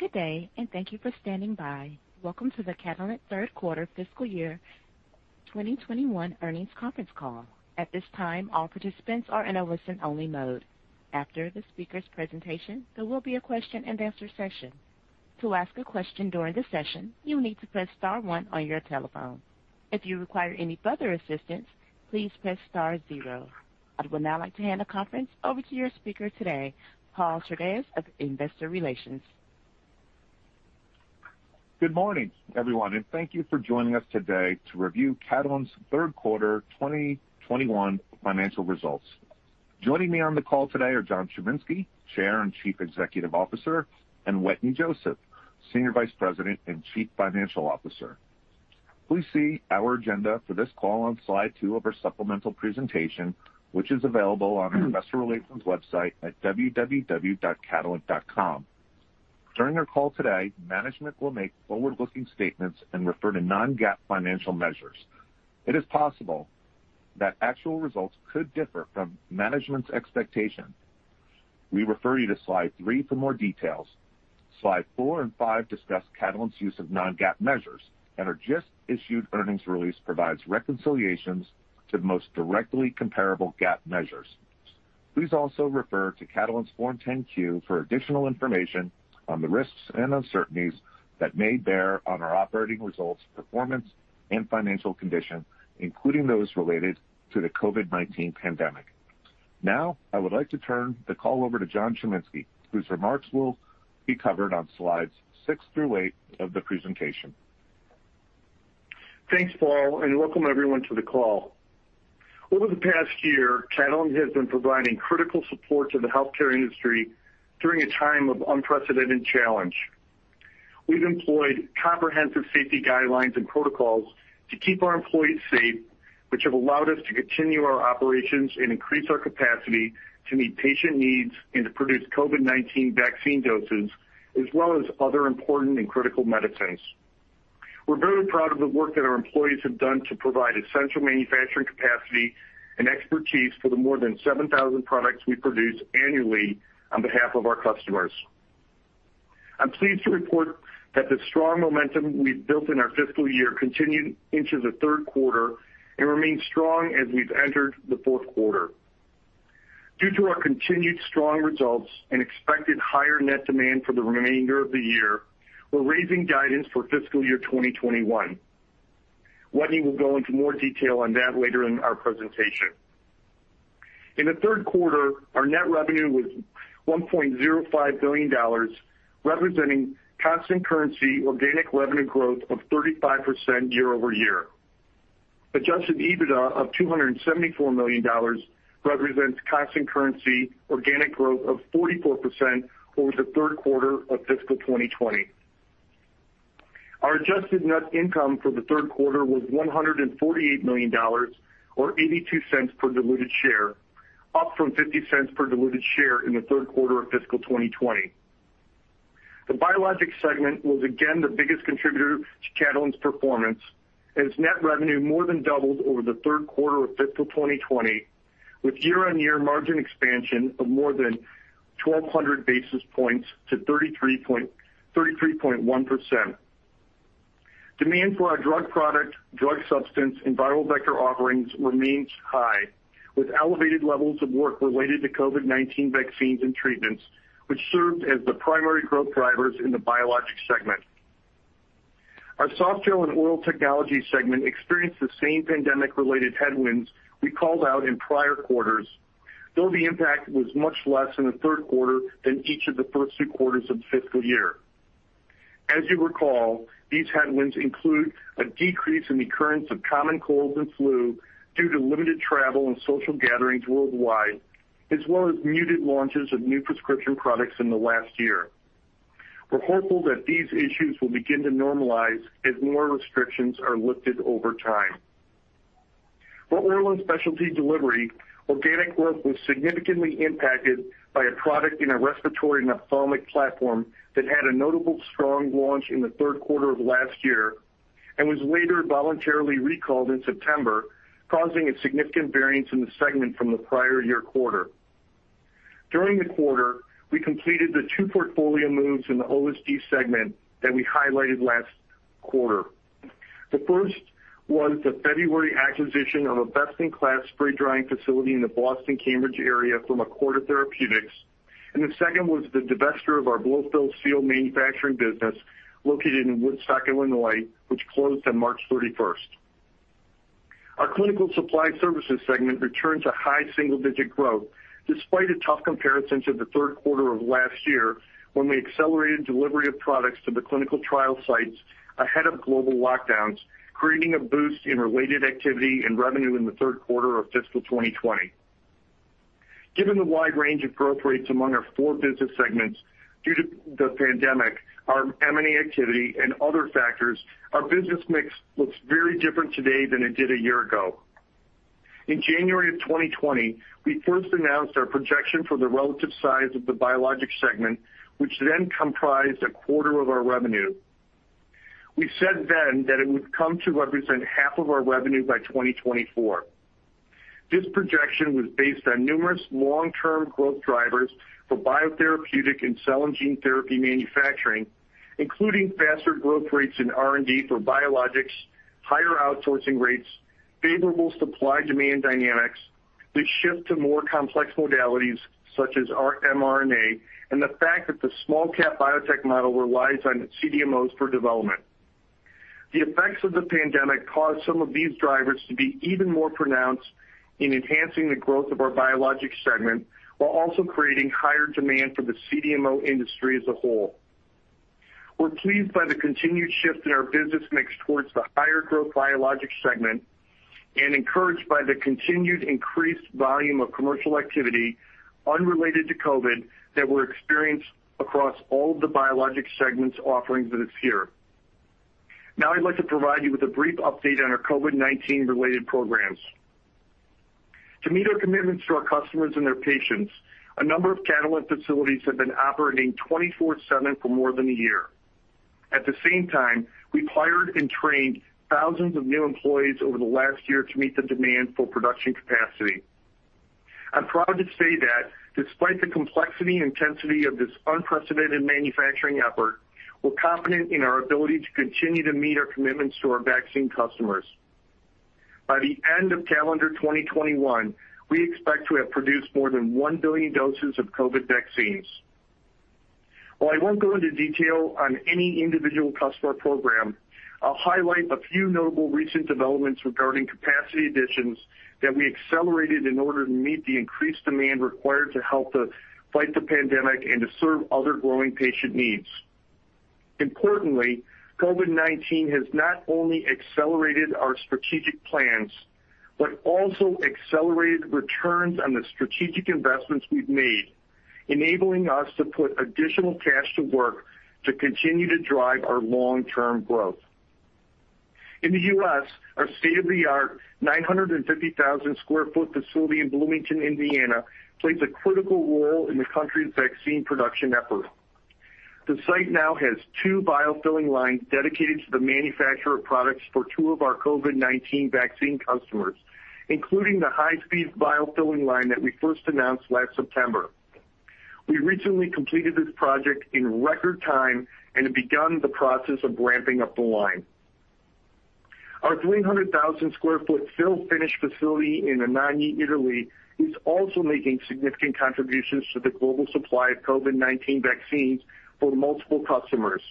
Good day, and thank you for standing by. Welcome to the Catalent third quarter fiscal year 2021 earnings conference call. At this time, all participants are in a listen-only mode. After the speaker's presentation, there will be a question-and-answer session. To ask a question during the session, you need to press star one on your telephone. If you require any further assistance, please press star zero. I would now like to hand the conference over to your speaker today, Paul Surdez of Investor Relations. Good morning, everyone, and thank you for joining us today to review Catalent's third quarter 2021 financial results. Joining me on the call today are John Chiminski, Chair and Chief Executive Officer, and Wetteny Joseph, Senior Vice President and Chief Financial Officer. Please see our agenda for this call on slide two of our supplemental presentation, which is available on our investor relations website at www.catalent.com. During our call today, management will make forward-looking statements and refer to non-GAAP financial measures. It is possible that actual results could differ from management's expectations. We refer you to slide three for more details. Slide four and five discuss Catalent's use of non-GAAP measures, and our just-issued earnings release provides reconciliations to the most directly comparable GAAP measures. Please also refer to Catalent's Form 10-Q for additional information on the risks and uncertainties that may bear on our operating results, performance, and financial condition, including those related to the COVID-19 pandemic. Now, I would like to turn the call over to John Chiminski, whose remarks will be covered on slides six through eight of the presentation. Thanks, Paul, and welcome everyone to the call. Over the past year, Catalent has been providing critical support to the healthcare industry during a time of unprecedented challenge. We've employed comprehensive safety guidelines and protocols to keep our employees safe, which have allowed us to continue our operations and increase our capacity to meet patient needs and to produce COVID-19 vaccine doses as well as other important and critical medicines. We're very proud of the work that our employees have done to provide essential manufacturing capacity and expertise for the more than 7,000 products we produce annually on behalf of our customers. I'm pleased to report that the strong momentum we've built in our fiscal year continued into the third quarter and remains strong as we've entered the fourth quarter. Due to our continued strong results and expected higher net demand for the remainder of the year, we're raising guidance for fiscal year 2021. Wetteny will go into more detail on that later in our presentation. In the third quarter, our net revenue was $1.05 billion, representing constant currency organic revenue growth of 35% year-over-year. Adjusted EBITDA of $274 million represents constant currency organic growth of 44% over the third quarter of fiscal 2020. Our adjusted net income for the third quarter was $148 million, or $0.82 per diluted share, up from $0.50 per diluted share in the third quarter of fiscal 2020. The Biologics segment was again the biggest contributor to Catalent's performance, as net revenue more than doubled over the third quarter of fiscal 2020, with year-on-year margin expansion of more than 1,200 basis points to 33.1%. Demand for our drug product, drug substance, and viral vector offerings remains high, with elevated levels of work related to COVID-19 vaccines and treatments, which served as the primary growth drivers in the Biologics segment. Our Softgel and Oral Technologies segment experienced the same pandemic-related headwinds we called out in prior quarters, though the impact was much less in the third quarter than each of the first two quarters of the fiscal year. As you recall, these headwinds include a decrease in the occurrence of common colds and flu due to limited travel and social gatherings worldwide, as well as muted launches of new prescription products in the last year. We're hopeful that these issues will begin to normalize as more restrictions are lifted over time. For Oral and Specialty Delivery, organic growth was significantly impacted by a product in our respiratory ophthalmic platform that had a notable strong launch in the third quarter of last year and was later voluntarily recalled in September, causing a significant variance in the segment from the prior year quarter. During the quarter, we completed the two portfolio moves in the OSD segment that we highlighted last quarter. The first was the February acquisition of a best-in-class spray drying facility in the Boston Cambridge area from Acorda Therapeutics, and the second was the divesture of our blow-fill-seal manufacturing business located in Woodstock, Illinois, which closed on March 31st. Our Clinical Supply Services segment returned to high single-digit growth despite a tough comparison to the third quarter of last year, when we accelerated delivery of products to the clinical trial sites ahead of global lockdowns, creating a boost in related activity and revenue in the third quarter of fiscal 2020. Given the wide range of growth rates among our four business segments due to the pandemic, our M&A activity, and other factors, our business mix looks very different today than it did a year ago. In January of 2020, we first announced our projection for the relative size of the Biologics segment, which then comprised a quarter of our revenue. We said then that it would come to represent half of our revenue by 2024. This projection was based on numerous long-term growth drivers for biotherapeutic and Cell & Gene Therapy manufacturing, including faster growth rates in R&D for Biologics, higher outsourcing rates, favorable supply-demand dynamics, the shift to more complex modalities such as mRNA, and the fact that the small cap biotech model relies on its CDMOs for development. The effects of the pandemic caused some of these drivers to be even more pronounced in enhancing the growth of our Biologics segment, while also creating higher demand for the CDMO industry as a whole. We're pleased by the continued shift in our business mix towards the higher growth Biologics segment and encouraged by the continued increased volume of commercial activity unrelated to COVID-19 that we're experienced across all of the Biologics segments offerings this year. Now, I'd like to provide you with a brief update on our COVID-19 related programs. To meet our commitments to our customers and their patients, a number of Catalent facilities have been operating 24/7 for more than a year. At the same time, we've hired and trained thousands of new employees over the last year to meet the demand for production capacity. I'm proud to say that despite the complexity and intensity of this unprecedented manufacturing effort, we're confident in our ability to continue to meet our commitments to our vaccine customers. By the end of calendar 2021, we expect to have produced more than 1 billion doses of COVID vaccines. While I won't go into detail on any individual customer program, I'll highlight a few notable recent developments regarding capacity additions that we accelerated in order to meet the increased demand required to help to fight the pandemic and to serve other growing patient needs. Importantly, COVID-19 has not only accelerated our strategic plans, but also accelerated returns on the strategic investments we've made, enabling us to put additional cash to work to continue to drive our long-term growth. In the U.S., our state-of-the-art 950,000 sq ft facility in Bloomington, Indiana, plays a critical role in the country's vaccine production effort. The site now has two bio-filling lines dedicated to the manufacture of products for two of our COVID-19 vaccine customers, including the high-speed bio-filling line that we first announced last September. We recently completed this project in record time and have begun the process of ramping up the line. Our 300,000 sq ft fill/finish facility in Anagni, Italy, is also making significant contributions to the global supply of COVID-19 vaccines for multiple customers.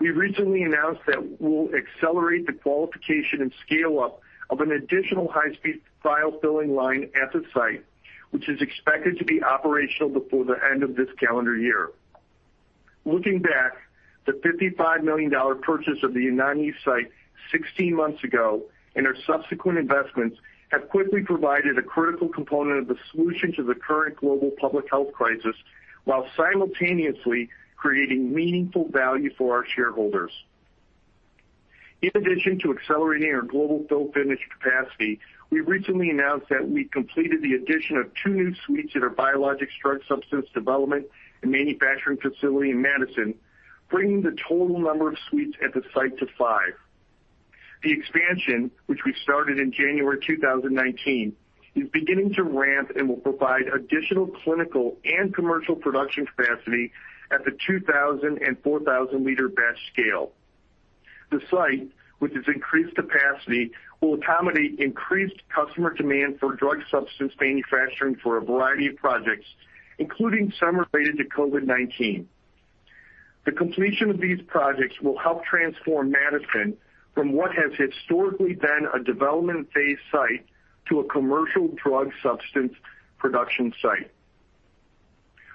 We recently announced that we'll accelerate the qualification and scale-up of an additional high-speed bio-filling line at the site, which is expected to be operational before the end of this calendar year. Looking back, the $55 million purchase of the Anagni site 16 months ago, and our subsequent investments, have quickly provided a critical component of the solution to the current global public health crisis, while simultaneously creating meaningful value for our shareholders. In addition to accelerating our global fill/finish capacity, we recently announced that we'd completed the addition of two new suites at our biologics drug substance development and manufacturing facility in Madison, bringing the total number of suites at the site to five. The expansion, which we started in January 2019, is beginning to ramp and will provide additional clinical and commercial production capacity at the 2,000 and 4,000 liter batch scale. The site, with its increased capacity, will accommodate increased customer demand for drug substance manufacturing for a variety of projects, including some related to COVID-19. The completion of these projects will help transform Madison from what has historically been a development phase site to a commercial drug substance production site.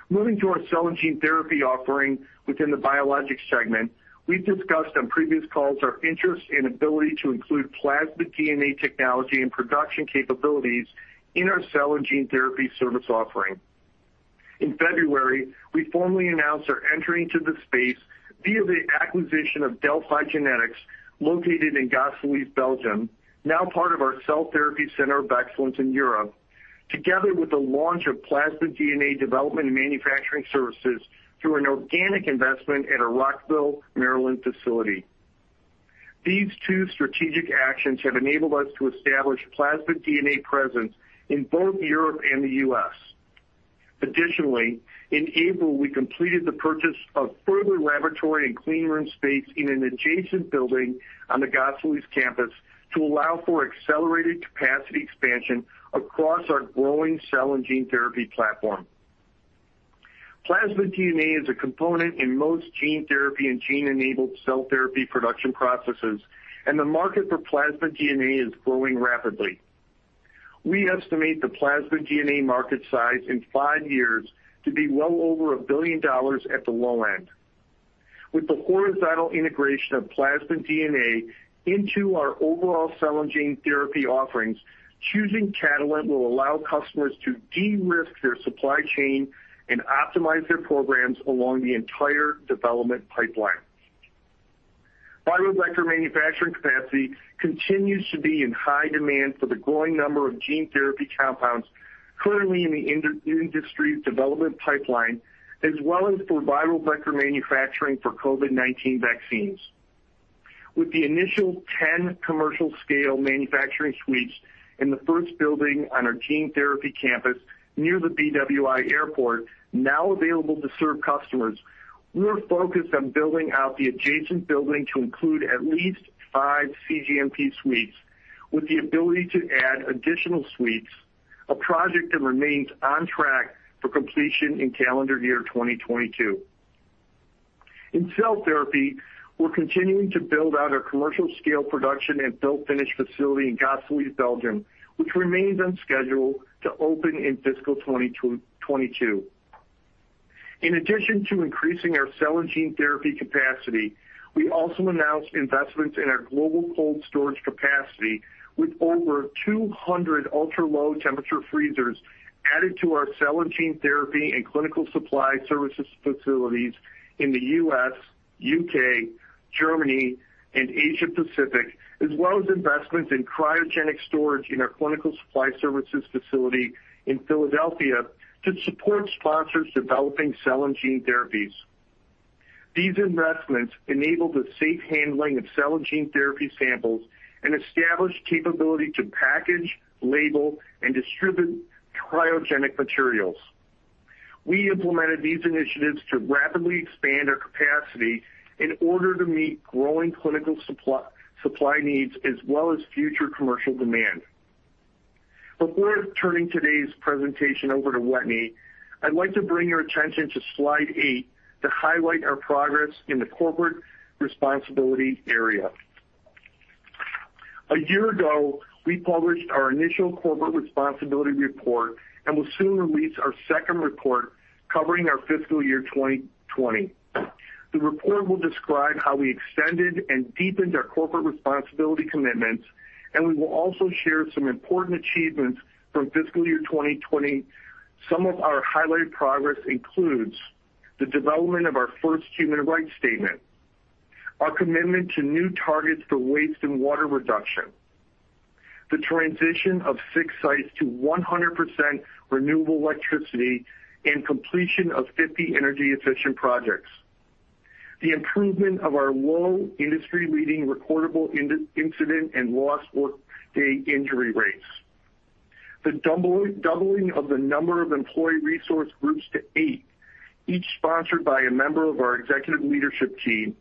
Moving to our Cell & Gene Therapy offering within the Biologics segment, we've discussed on previous calls our interest and ability to include plasmid DNA technology and production capabilities in our Cell & Gene Therapy service offering. In February, we formally announced our entry into the space via the acquisition of Delphi Genetics, located in Gosselies, Belgium, now part of our cell therapy center of excellence in Europe, together with the launch of plasmid DNA development and manufacturing services through an organic investment at our Rockville, Maryland, facility. These two strategic actions have enabled us to establish plasmid DNA presence in both Europe and the U.S. In April, we completed the purchase of further laboratory and clean room space in an adjacent building on the Gosselies campus to allow for accelerated capacity expansion across our growing Cell & Gene Therapy platform. Plasmid DNA is a component in most gene therapy and gene-enabled cell therapy production processes. The market for plasmid DNA is growing rapidly. We estimate the plasmid DNA market size in five years to be well over $1 billion at the low end. With the horizontal integration of plasmid DNA into our overall Cell & Gene Therapy offerings, choosing Catalent will allow customers to de-risk their supply chain and optimize their programs along the entire development pipeline. Viral vector manufacturing capacity continues to be in high demand for the growing number of gene therapy compounds currently in the industry's development pipeline, as well as for viral vector manufacturing for COVID-19 vaccines. With the initial 10 commercial-scale manufacturing suites in the first building on our gene therapy campus near the BWI Airport now available to serve customers, we're focused on building out the adjacent building to include at least five cGMP suites with the ability to add additional suites, a project that remains on track for completion in calendar year 2022. In cell therapy, we're continuing to build out our commercial-scale production and fill/finish facility in Gosselies, Belgium, which remains on schedule to open in fiscal 2022. In addition to increasing our Cell & Gene Therapy capacity, we also announced investments in our global cold storage capacity with over 200 ultra-low temperature freezers added to our Cell & Gene Therapy and Clinical Supply Services facilities in the U.S., U.K., Germany, and Asia-Pacific, as well as investments in cryogenic storage in our Clinical Supply Services facility in Philadelphia to support sponsors developing cell and gene therapies. These investments enable the safe handling of Cell & Gene Therapy samples and establish capability to package, label, and distribute cryogenic materials. We implemented these initiatives to rapidly expand our capacity in order to meet growing clinical supply needs as well as future commercial demand. Before turning today's presentation over to Wetteny, I'd like to bring your attention to slide eight to highlight our progress in the corporate responsibility area. A year ago, we published our initial corporate responsibility report and will soon release our second report covering our fiscal year 2020. The report will describe how we extended and deepened our corporate responsibility commitments, and we will also share some important achievements from fiscal year 2020. Some of our highlighted progress includes the development of our first human rights statement, our commitment to new targets for waste and water reduction, the transition of six sites to 100% renewable electricity and completion of 50 energy-efficient projects, the improvement of our low industry-leading recordable incident and lost workday injury rates, the doubling of the number of employee resource groups to eight, each sponsored by a member of our executive leadership team,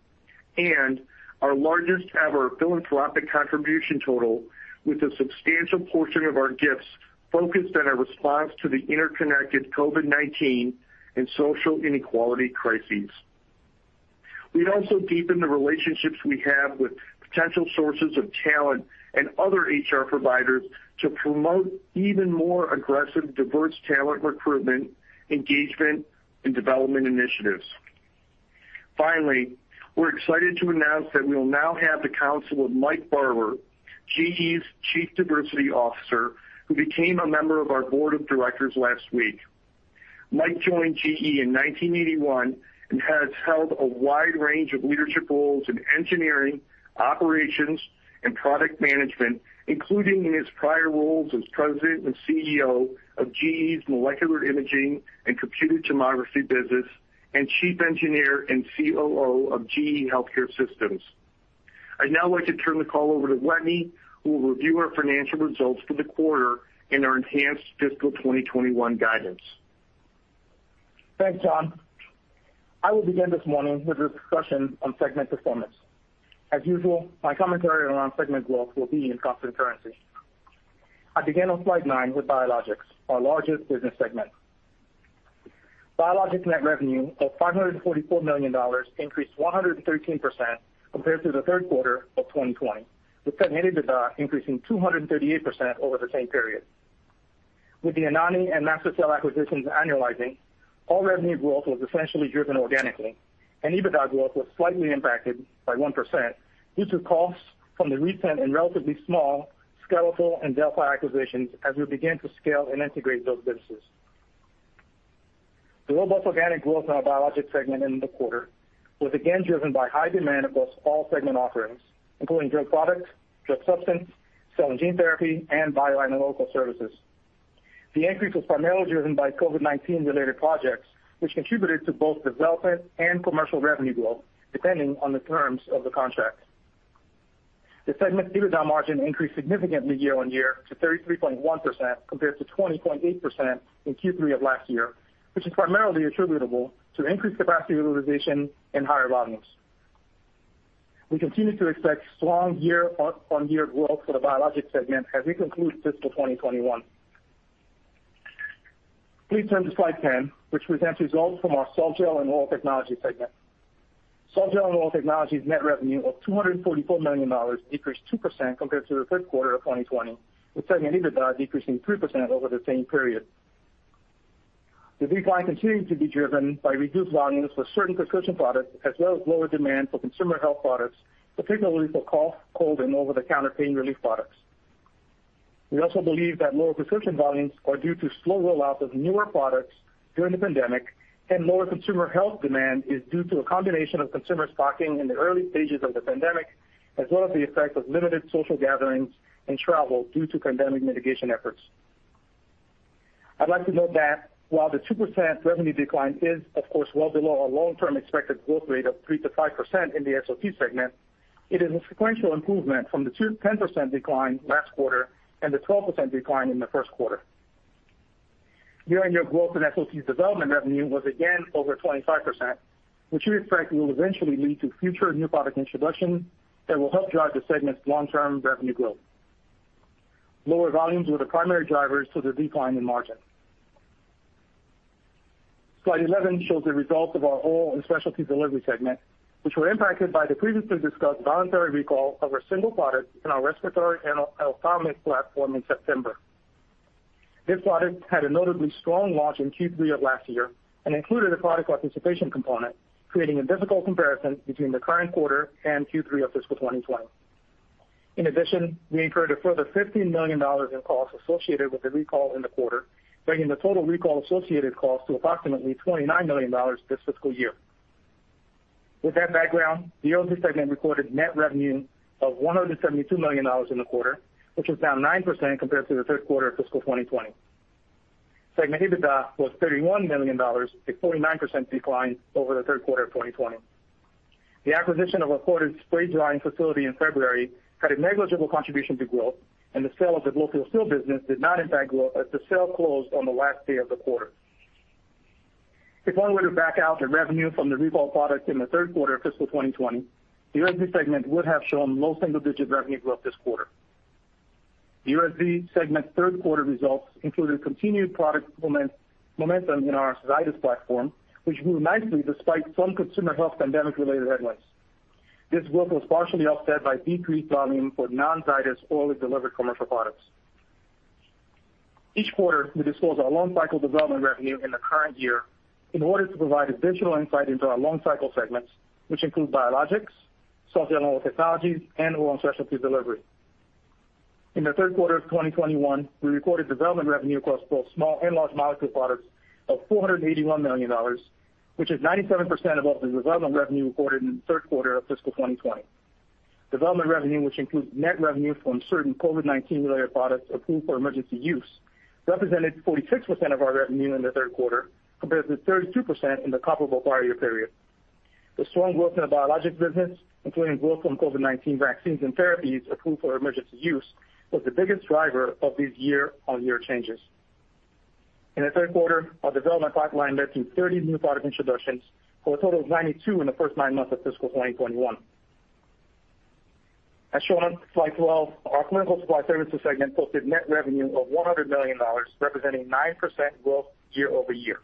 and our largest-ever philanthropic contribution total with a substantial portion of our gifts focused on our response to the interconnected COVID-19 and social inequality crises. We've also deepened the relationships we have with potential sources of talent and other HR providers to promote even more aggressive diverse talent recruitment, engagement, and development initiatives. Finally, we're excited to announce that we will now have the counsel of Mike Barber, GE's Chief Diversity Officer, who became a member of our board of directors last week. Mike joined GE in 1981 and has held a wide range of leadership roles in engineering, operations, and product management, including in his prior roles as President and CEO of GE's Molecular Imaging and Computed Tomography business and Chief Engineer and COO of GE HealthCare Systems. I'd now like to turn the call over to Wetteny, who will review our financial results for the quarter and our enhanced fiscal 2021 guidance. Thanks, John. I will begin this morning with a discussion on segment performance. As usual, my commentary around segment growth will be in constant currency. I begin on slide nine with Biologics, our largest business segment. Biologics net revenue of $544 million increased 113% compared to the third quarter of 2020, with segment EBITDA increasing 238% over the same period. With the Anagni and MaSTherCell acquisitions annualizing, all revenue growth was essentially driven organically, and EBITDA growth was slightly impacted by 1%, due to costs from the recent and relatively small Skeletal and Delphi acquisitions as we begin to scale and integrate those businesses. The robust organic growth in our Biologics segment in the quarter was again driven by high demand across all segment offerings, including drug products, drug substance, Cell & Gene Therapy, and bioanalytical services. The increase was primarily driven by COVID-19-related projects, which contributed to both development and commercial revenue growth, depending on the terms of the contract. The segment's EBITDA margin increased significantly year-on-year to 33.1%, compared to 20.8% in Q3 of last year, which is primarily attributable to increased capacity utilization and higher volumes. We continue to expect strong year-on-year growth for the Biologics segment as we conclude fiscal 2021. Please turn to slide 10, which presents results from our Cell & Gene and Oral Technology segment. Cell & Gene and Oral Technology's net revenue of $244 million decreased 2% compared to the third quarter of 2020, with segment EBITDA decreasing 3% over the same period. The decline continued to be driven by reduced volumes for certain prescription products as well as lower demand for consumer health products, particularly for cough, cold, and over-the-counter pain relief products. We also believe that lower prescription volumes are due to slow rollouts of newer products during the pandemic, and lower consumer health demand is due to a combination of consumer stocking in the early stages of the pandemic, as well as the effect of limited social gatherings and travel due to pandemic mitigation efforts. I'd like to note that while the 2% revenue decline is of course well below our long-term expected growth rate of 3%-5% in the SOT segment, it is a sequential improvement from the 10% decline last quarter and the 12% decline in the first quarter. Year-on-year growth in SOT development revenue was again over 25%, which we expect will eventually lead to future new product introductions that will help drive the segment's long-term revenue growth. Lower volumes were the primary drivers to the decline in margin. Slide 11 shows the results of our Oral and Specialty Delivery segment, which were impacted by the previously discussed voluntary recall of a single product in our respiratory and ophthalmic platform in September. This product had a notably strong launch in Q3 of last year and included a product participation component, creating a difficult comparison between the current quarter and Q3 of fiscal 2020. We incurred a further $15 million in costs associated with the recall in the quarter, bringing the total recall-associated cost to approximately $29 million this fiscal year. With that background, the OSD segment recorded net revenue of $172 million in the quarter, which was down 9% compared to the third quarter of fiscal 2020. Segment EBITDA was $31 million, a 49% decline over the third quarter of 2020. The acquisition of a coated spray drying facility in February had a negligible contribution to growth. The sale of the blow-fill-seal business did not impact growth as the sale closed on the last day of the quarter. If one were to back out the revenue from the recalled product in the third quarter of fiscal 2020, the OSD segment would have shown low single-digit revenue growth this quarter. The OSD segment third quarter results included continued product momentum in our Zydis platform, which grew nicely despite some consumer health pandemic-related headwinds. This growth was partially offset by decreased volume for non-Zydis oily delivered commercial products. Each quarter, we disclose our long-cycle development revenue in the current year in order to provide additional insight into our long-cycle segments, which include Biologics, Softgel and Oral Technologies, and Oral and Specialty Delivery. In the third quarter of 2021, we recorded development revenue across both small and large molecule products of $481 million, which is 97% of the development revenue recorded in the third quarter of fiscal 2020. Development revenue, which includes net revenue from certain COVID-19-related products approved for emergency use, represented 46% of our revenue in the third quarter, compared to 32% in the comparable prior year period. The strong growth in the Biologics business, including growth from COVID-19 vaccines and therapies approved for emergency use, was the biggest driver of these year-on-year changes. In the third quarter, our development pipeline netted 30 new product introductions for a total of 92 in the first nine months of fiscal 2021. As shown on slide 12, our Clinical Supply Services segment posted net revenue of $100 million, representing 9% growth year-over-year.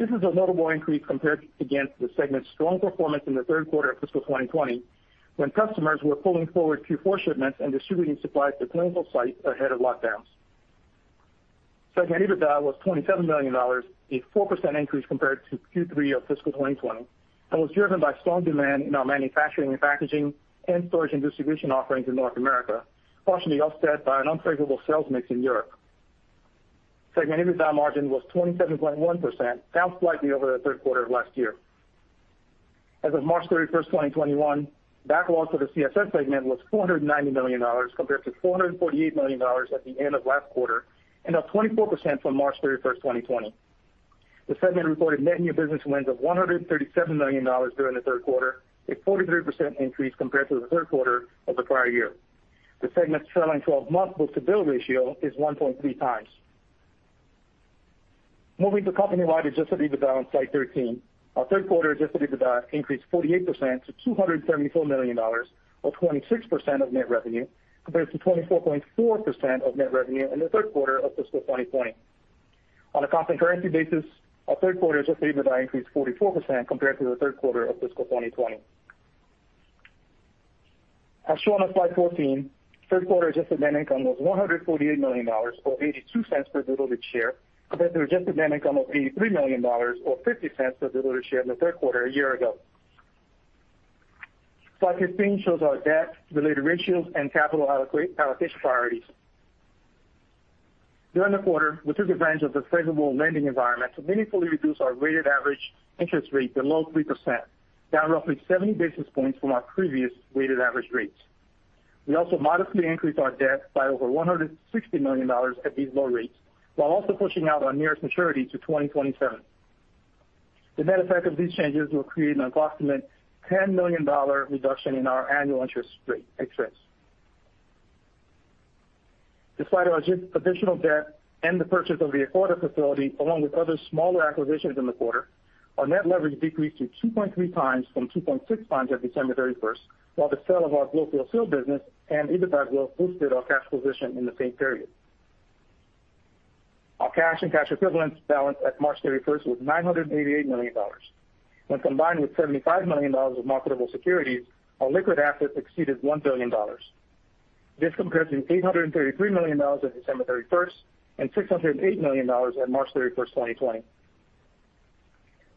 This is a notable increase compared against the segment's strong performance in the third quarter of fiscal 2020 when customers were pulling forward Q4 shipments and distributing supplies to clinical sites ahead of lockdowns. Segment EBITDA was $27 million, a 4% increase compared to Q3 of fiscal 2020, and was driven by strong demand in our manufacturing and packaging and storage and distribution offerings in North America, partially offset by an unfavorable sales mix in Europe. Segment EBITDA margin was 27.1%, down slightly over the third quarter of last year. As of March 31st, 2021, backlog for the CSS segment was $490 million compared to $448 million at the end of last quarter, and up 24% from March 31st, 2020. The segment reported net new business wins of $137 million during the third quarter, a 43% increase compared to the third quarter of the prior year. The segment's trailing 12-month book-to-bill ratio is 1.3x. Moving to company-wide adjusted EBITDA on slide 13, our third quarter adjusted EBITDA increased 48% to $274 million, or 26% of net revenue, compared to 24.4% of net revenue in the third quarter of fiscal 2020. On a constant currency basis, our third quarter adjusted EBITDA increased 44% compared to the third quarter of fiscal 2020. As shown on slide 14, third quarter adjusted net income was $148 million, or $0.82 per diluted share, compared to adjusted net income of $83 million or $0.50 per diluted share in the third quarter a year ago. Slide 15 shows our debt-related ratios and capital allocation priorities. During the quarter, we took advantage of the favorable lending environment to meaningfully reduce our weighted average interest rate below 3%, down roughly 70 basis points from our previous weighted average rates. We also modestly increased our debt by over $160 million at these low rates, while also pushing out our nearest maturity to 2027. The net effect of these changes will create an approximate $10 million reduction in our annual interest rate expense. Despite our additional debt and the purchase of the Acorda facility, along with other smaller acquisitions in the quarter, our net leverage decreased to 2.3x from 2.6x at December 31st, while the sale of our global blow-fill-seal business and EBITDA growth boosted our cash position in the same period. Our cash and cash equivalents balance at March 31st was $988 million. When combined with $75 million of marketable securities, our liquid assets exceeded $1 billion. This compares to $833 million as of December 31st and $608 million at March 31st, 2020.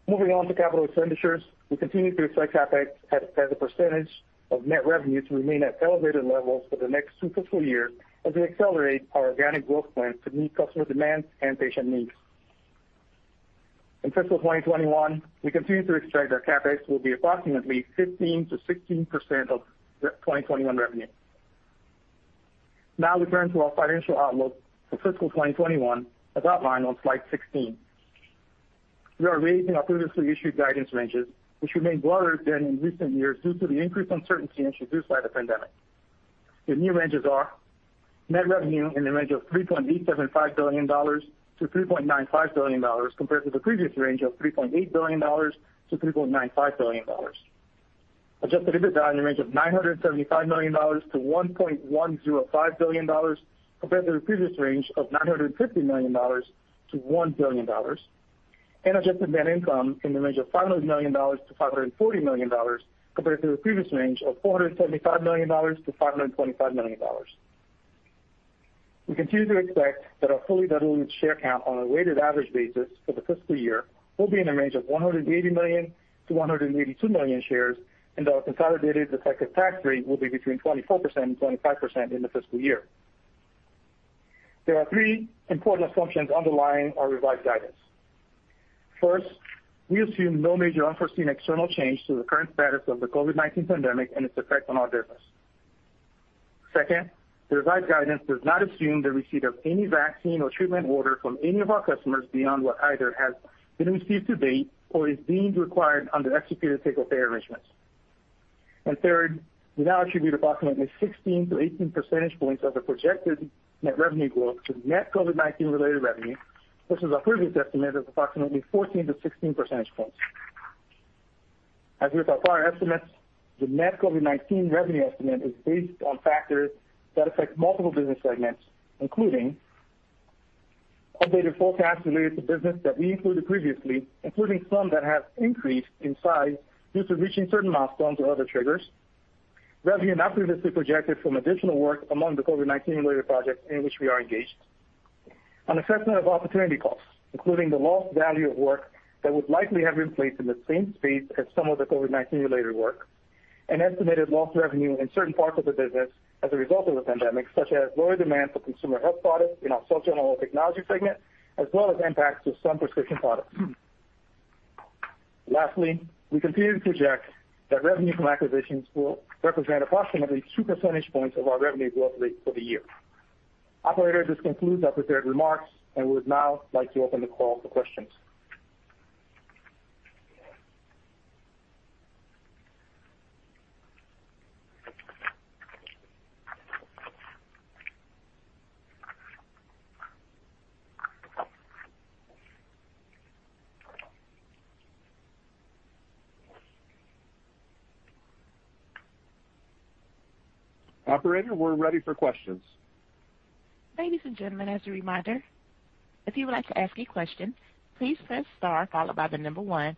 Moving on to capital expenditures. We continue to expect CapEx as a percentage of net revenue to remain at elevated levels for the next two fiscal years as we accelerate our organic growth plans to meet customer demand and patient needs. In fiscal 2021, we continue to expect our CapEx will be approximately 15%-16% of 2021 revenue. Now we turn to our financial outlook for fiscal 2021, as outlined on slide 16. We are raising our previously issued guidance ranges, which remain broader than in recent years due to the increased uncertainty introduced by the pandemic. The new ranges are net revenue in the range of $3.875 billion-$3.95 billion, compared to the previous range of $3.8 billion-$3.95 billion. Adjusted EBITDA in the range of $975 million-$1.105 billion, compared to the previous range of $950 million-$1 billion. Adjusted net income in the range of $500 million-$540 million, compared to the previous range of $475 million-$525 million. We continue to expect that our fully diluted share count on a weighted average basis for the fiscal year will be in the range of 180 million-182 million shares, and our consolidated effective tax rate will be between 24% and 25% in the fiscal year. There are three important assumptions underlying our revised guidance. First, we assume no major unforeseen external change to the current status of the COVID-19 pandemic and its effect on our business. Second, the revised guidance does not assume the receipt of any vaccine or treatment order from any of our customers beyond what either has been received to date or is deemed required under executed take-or-pay arrangements. Third, we now attribute approximately 16-18 percentage points of the projected net revenue growth to net COVID-19-related revenue, versus our previous estimate of approximately 14-16 percentage points. As with our prior estimates, the net COVID-19 revenue estimate is based on factors that affect multiple business segments, including updated forecasts related to business that we included previously, including some that have increased in size due to reaching certain milestones or other triggers, revenue not previously projected from additional work among the COVID-19-related projects in which we are engaged, and an assessment of opportunity costs, including the lost value of work that would likely have been placed in the same space as some of the COVID-19-related work. An estimated lost revenue in certain parts of the business as a result of the pandemic, such as lower demand for consumer health products in our Oral and Specialty Delivery segment, as well as impacts to some prescription products. Lastly, we continue to project that revenue from acquisitions will represent approximately 2 percentage points of our revenue growth rate for the year. Operator, this concludes our prepared remarks, and we would now like to open the call to questions. Operator, we're ready for questions. Ladies and gentlemen, as a reminder, if you would like to ask a question, please press star followed by the number one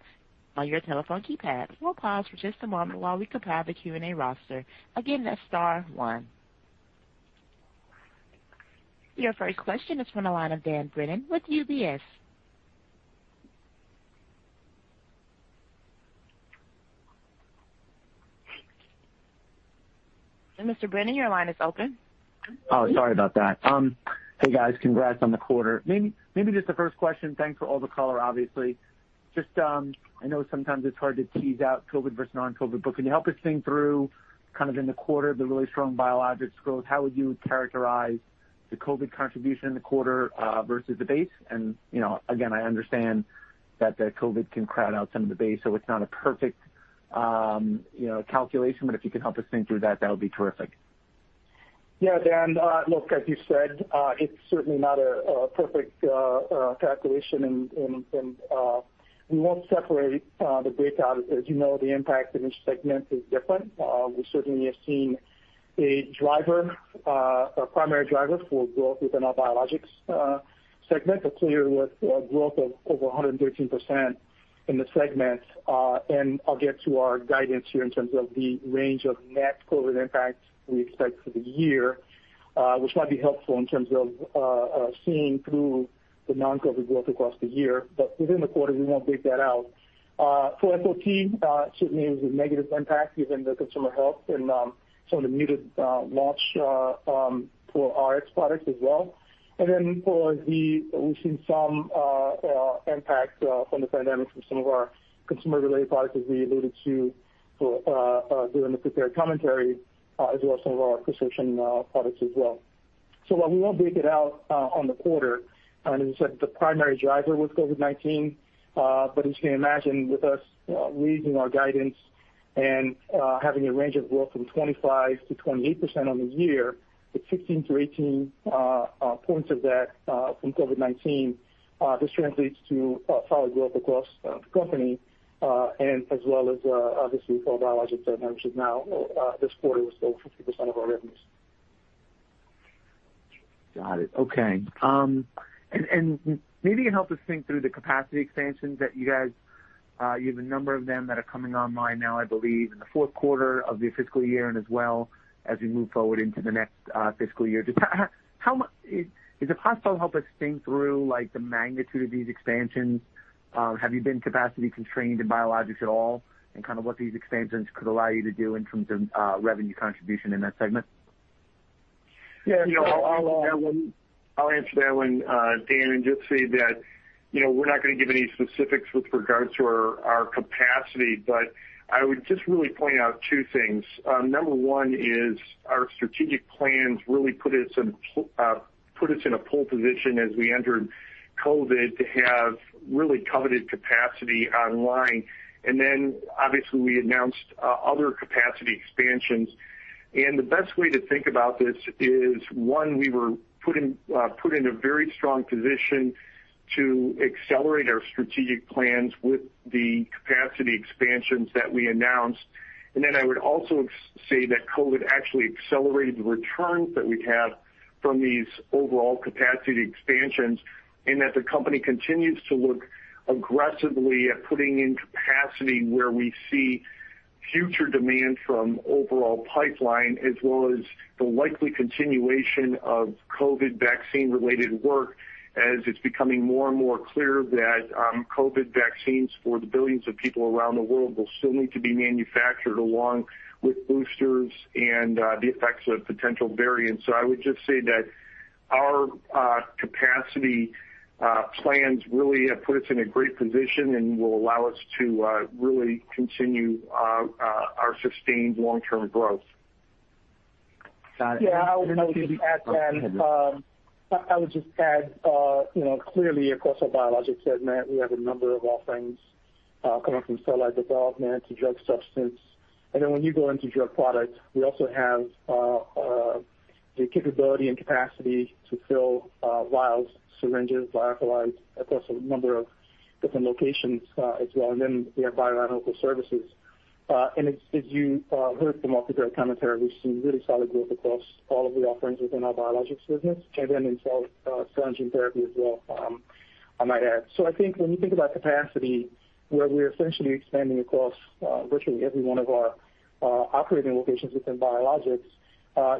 on your telephone keypad. We'll pause for just a moment while we compile the Q&A roster. Again, that's star one. Your first question is from the line of Dan Brennan with UBS. Mr. Brennan, your line is open. Hey, guys. Congrats on the quarter. Maybe just the first question. Thanks for all the color, obviously. I know sometimes it's hard to tease out COVID versus non-COVID, but can you help us think through, in the quarter, the really strong Biologics growth? How would you characterize the COVID contribution in the quarter versus the base? Again, I understand that the COVID can crowd out some of the base, so it's not a perfect calculation, but if you could help us think through that would be terrific. Yeah, Dan. Look, as you said, it's certainly not a perfect calculation, and we won't separate the breakout. As you know, the impact in each segment is different. We certainly have seen a primary driver for growth within our Biologics segment, but clearly with growth of over 113% in the segment. I'll get to our guidance here in terms of the range of net COVID-19 impact we expect for the year, which might be helpful in terms of seeing through the non-COVID-19 growth across the year. Within the quarter, we won't break that out. For SOT, certainly it was a negative impact given the consumer health and some of the muted launch for our Rx product as well. We've seen some impact from the pandemic from some of our consumer-related products as we alluded to during the prepared commentary, as well as some of our prescription products as well. While we won't break it out on the quarter, and as you said, the primary driver was COVID-19. As you can imagine, with us raising our guidance and having a range of growth from 25%-28% on the year, with 16-18 points of that from COVID-19, this translates to solid growth across the company, and as well as obviously for Biologics that I mentioned now, this quarter was over 50% of our revenues. Got it, okay. Maybe you can help us think through the capacity expansions that you guys have a number of them that are coming online now, I believe in the fourth quarter of your fiscal year, and as well as we move forward into the next fiscal year. Is it possible to help us think through the magnitude of these expansions? Have you been capacity constrained in Biologics at all, and what these expansions could allow you to do in terms of revenue contribution in that segment? Yeah. I'll answer that one, Dan. Just say that we're not going to give any specifics with regards to our capacity, but I would just really point out two things. Number one is our strategic plans really put us in a pole position as we entered COVID to have really coveted capacity online. Obviously we announced other capacity expansions. The best way to think about this is, one, we were put in a very strong position to accelerate our strategic plans with the capacity expansions that we announced. I would also say that COVID actually accelerated the returns that we have from these overall capacity expansions, and that the company continues to look aggressively at putting in capacity where we see future demand from overall pipeline, as well as the likely continuation of COVID vaccine-related work, as it's becoming more and more clear that COVID vaccines for the billions of people around the world will still need to be manufactured, along with boosters and the effects of potential variants. I would just say that our capacity plans really have put us in a great position and will allow us to really continue our sustained long-term growth. Yeah, I would just add that clearly across our Biologics segment, we have a number of offerings coming from cell line development to drug substance. When you go into drug products, we also have the capability and capacity to fill vials, syringes, cartridges across a number of different locations as well. We have bioanalytical services. As you heard from after commentary, we've seen really solid growth across all of the offerings within our Biologics business and then in Cell & Gene Therapy as well, I might add. I think when you think about capacity, where we're essentially expanding across virtually every one of our operating locations within Biologics,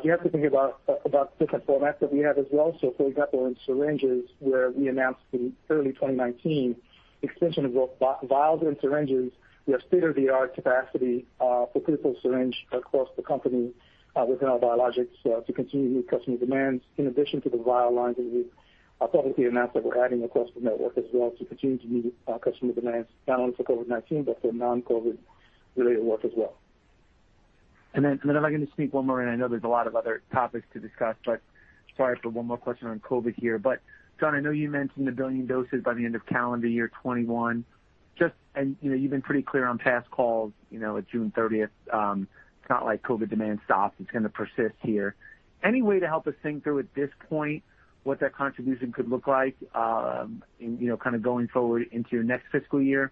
you have to think about different formats that we have as well. For example, in syringes, where we announced in early 2019 extension of both vials and syringes, we have state-of-the-art capacity for prefilled syringe across the company within our Biologics to continue to meet customer demands in addition to the vial lines that we publicly announced that we're adding across the network as well to continue to meet customer demands, not only for COVID-19, but for non-COVID related work as well. If I can just sneak one more in. I know there's a lot of other topics to discuss, but sorry for one more question on COVID here. John, I know you mentioned 1 billion doses by the end of calendar year 2021. You've been pretty clear on past calls, at June 30th, it's not like COVID demand stops. It's going to persist here. Any way to help us think through at this point what that contribution could look like going forward into your next fiscal year?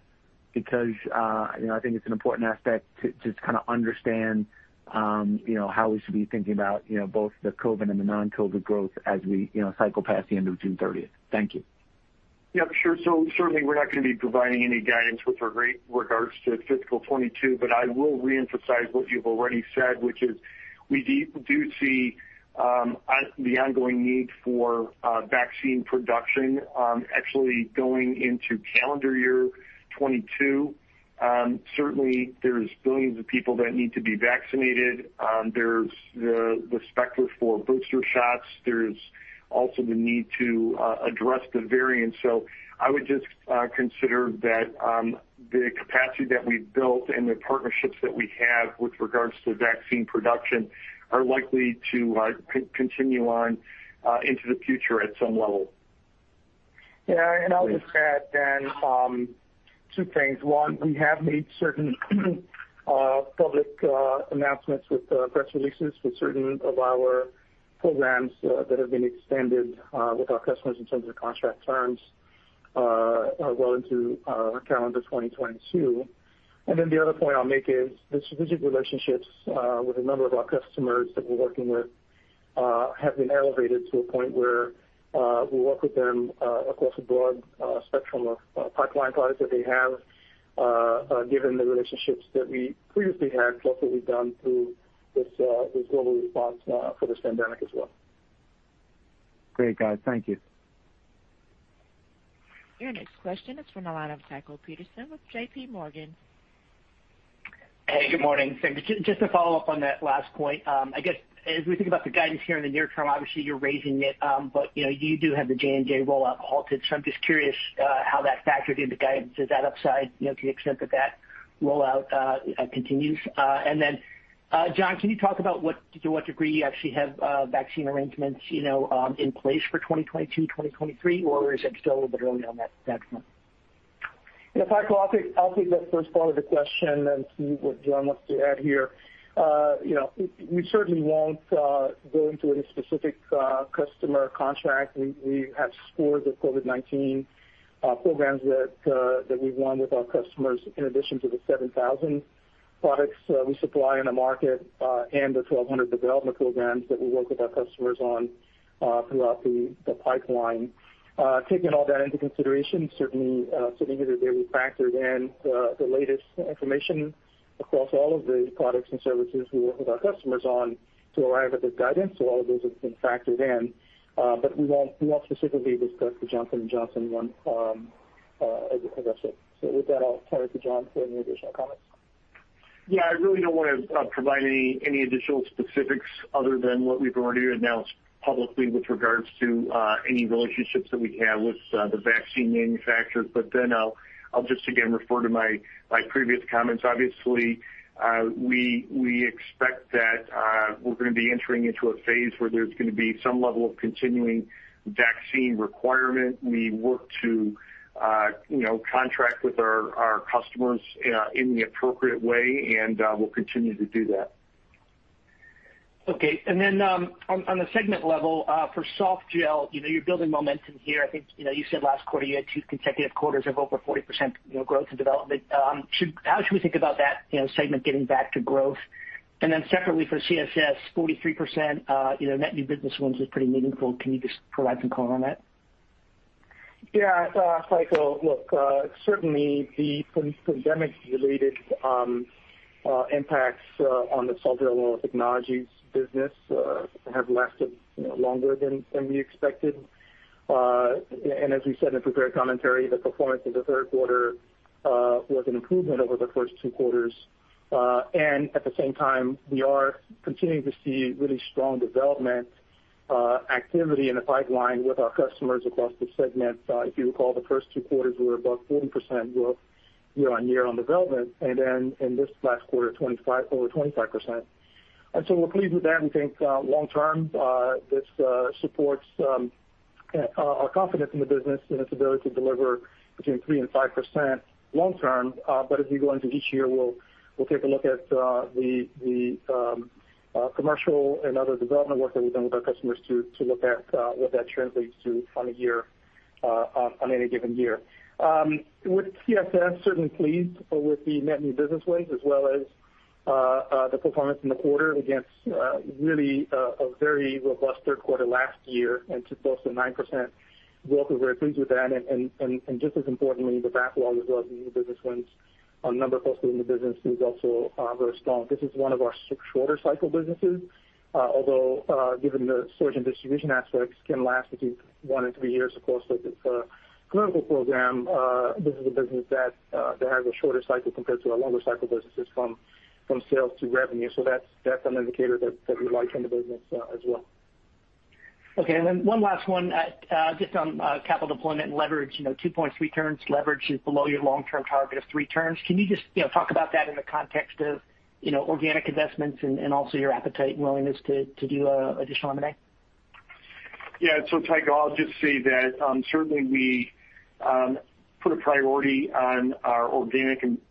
I think it's an important aspect to just understand how we should be thinking about both the COVID and the non-COVID growth as we cycle past the end of June 30th. Thank you. Yeah, sure. Certainly we're not going to be providing any guidance with regards to fiscal 2022, but I will re-emphasize what you've already said, which is we do see the ongoing need for vaccine production actually going into calendar year 2022. Certainly, there's billions of people that need to be vaccinated. There's the specter for booster shots. There's also the need to address the variants. I would just consider that the capacity that we've built and the partnerships that we have with regards to vaccine production are likely to continue on into the future at some level. I'll just add two things. One, we have made certain public announcements with press releases with certain of our programs that have been extended with our customers in terms of contract terms well into calendar 2022. The other point I'll make is the strategic relationships with a number of our customers that we're working with have been elevated to a point where we work with them across a broad spectrum of pipeline products that they have, given the relationships that we previously had plus what we've done through this global response for this pandemic as well. Great, guys. Thank you. Your next question is from the line of Tycho Peterson with JPMorgan. Hey, good morning. Thanks. Just to follow up on that last point, I guess as we think about the guidance here in the near term, obviously you're raising it, but you do have the J&J rollout halted. I'm just curious how that factored into guidance. Is that upside to the extent that that rollout continues? John, can you talk about to what degree you actually have vaccine arrangements in place for 2022, 2023, or is it still a little bit early on that front? Tycho, I'll take the first part of the question and see what John wants to add here. We certainly won't go into any specific customer contract. We have scores of COVID-19 programs that we've won with our customers in addition to the 7,000 products we supply in the market and the 1,200 development programs that we work with our customers on throughout the pipeline. Taking all that into consideration, certainly sitting here today, we factored in the latest information across all of the products and services we work with our customers on to arrive at this guidance. All of those have been factored in. We won't specifically discuss the Johnson & Johnson one as of yet. With that, I'll turn it to John for any additional comments. Yeah, I really don't want to provide any additional specifics other than what we've already announced publicly with regards to any relationships that we have with the vaccine manufacturers. I'll just, again, refer to my previous comments. Obviously, we expect that we're going to be entering into a phase where there's going to be some level of continuing vaccine requirement. We work to contract with our customers in the appropriate way, and we'll continue to do that. Okay. On the segment level for softgel, you're building momentum here. I think you said last quarter you had two consecutive quarters of over 40% growth and development. How should we think about that segment getting back to growth? Separately for CSS, 43% net new business wins is pretty meaningful. Can you just provide some color on that? Yeah. Tycho, look, certainly the pandemic-related impacts on the Softgel and Oral Technologies business have lasted longer than we expected. As we said in prepared commentary, the performance of the third quarter was an improvement over the first two quarters. At the same time, we are continuing to see really strong development activity in the pipeline with our customers across the segment. If you recall, the first two quarters were above 40% growth year-on-year on development. In this last quarter, over 25%. We're pleased with that. We think long-term this supports our confidence in the business and its ability to deliver between 3% and 5% long-term. As we go into each year, we'll take a look at the commercial and other development work that we've done with our customers to look at what that translates to on any given year. With CSS, certainly pleased with the net new business wins as well as the performance in the quarter against really a very robust third quarter last year and to post a 9% growth. We're very pleased with that. Just as importantly, the backlog as well as the new business wins number posted in the business is also very strong. This is one of our shorter cycle businesses. Although given the storage and distribution aspects can last between one and three years, of course, with the clinical program. This is a business that has a shorter cycle compared to our longer cycle businesses from sales to revenue. That's an indicator that we like in the business as well. Okay. One last one just on capital deployment and leverage. Two points, returns leverage is below your long-term target of three turns. Can you just talk about that in the context of organic investments and also your appetite and willingness to do additional M&A? Tycho, I'll just say that certainly we put a priority on our organic investments.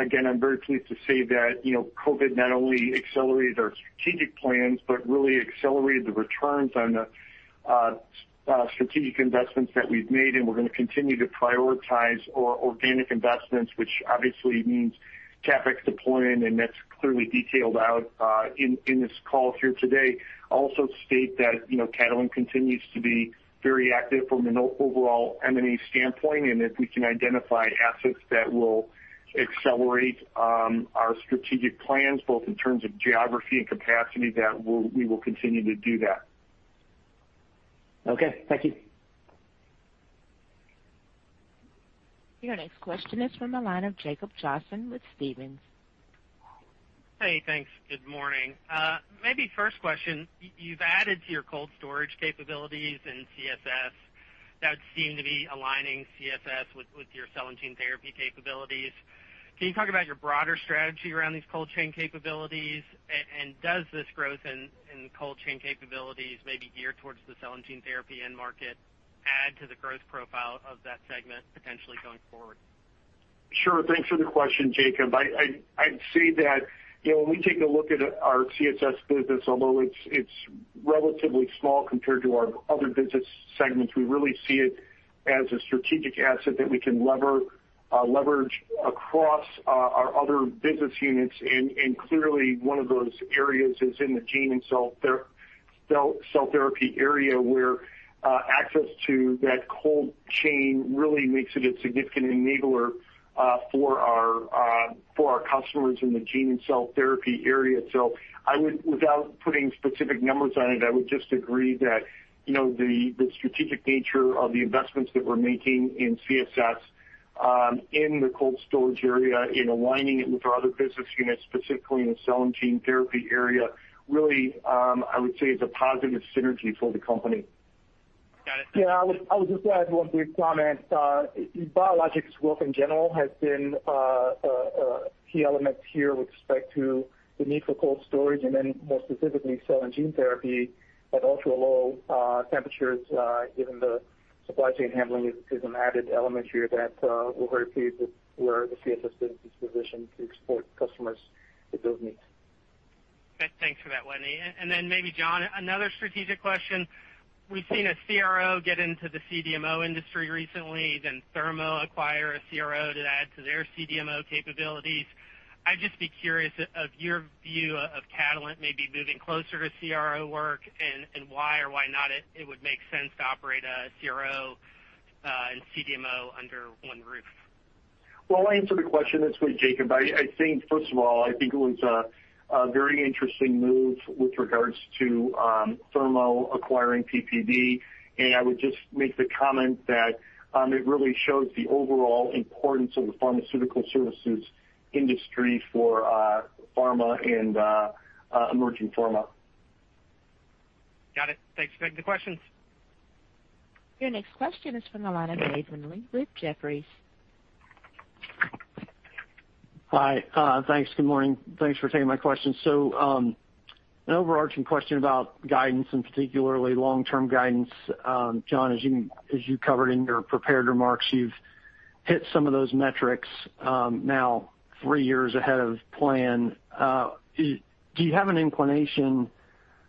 Again, I'm very pleased to say that COVID not only accelerated our strategic plans but really accelerated the returns on the strategic investments that we've made. We're going to continue to prioritize our organic investments, which obviously means CapEx deployment. That's clearly detailed out in this call here today. Also state that Catalent continues to be very active from an overall M&A standpoint, and if we can identify assets that will accelerate our strategic plans, both in terms of geography and capacity, that we will continue to do that. Okay. Thank you. Your next question is from the line of Jacob Johnson with Stephens. Hey, thanks. Good morning. First question, you've added to your cold storage capabilities in CSS. That would seem to be aligning CSS with your Cell & Gene Therapy capabilities. Can you talk about your broader strategy around these cold chain capabilities? Does this growth in cold chain capabilities maybe geared towards the Cell & Gene Therapy end market add to the growth profile of that segment potentially going forward? Sure. Thanks for the question, Jacob. I'd say that when we take a look at our CSS business, although it's relatively small compared to our other business segments, we really see it as a strategic asset that we can leverage across our other business units. Clearly one of those areas is in the gene and cell therapy area, where access to that cold chain really makes it a significant enabler for our customers in the gene and cell therapy area. I would, without putting specific numbers on it, I would just agree that the strategic nature of the investments that we're making in CSS in the cold storage area in aligning it with our other business units, specifically in the Cell & Gene Therapy area, really, I would say, is a positive synergy for the company. Got it. I would just add one brief comment. Biologics growth in general has been a key element here with respect to the need for cold storage and then more specifically Cell & Gene Therapy at ultra-low temperatures given the supply chain handling is an added element here that we're very pleased with where the CSS business is positioned to support customers with those needs. Okay. Thanks for that, Wetteny. Then maybe John, another strategic question. We've seen a CRO get into the CDMO industry recently, then Thermo acquire a CRO to add to their CDMO capabilities. I'd just be curious of your view of Catalent maybe moving closer to CRO work and why or why not it would make sense to operate a CRO and CDMO under one roof. Well, I'll answer the question this way, Jacob. I think first of all, I think it was a very interesting move with regards to Thermo acquiring PPD. I would just make the comment that it really shows the overall importance of the pharmaceutical services industry for pharma and emerging pharma. Got it, thanks for taking the questions. Your next question is from the line of Dave Windley with Jefferies. Hi. Thanks, good morning. Thanks for taking my question. An overarching question about guidance and particularly long-term guidance. John, as you covered in your prepared remarks, you've hit some of those metrics now three years ahead of plan. Do you have an inclination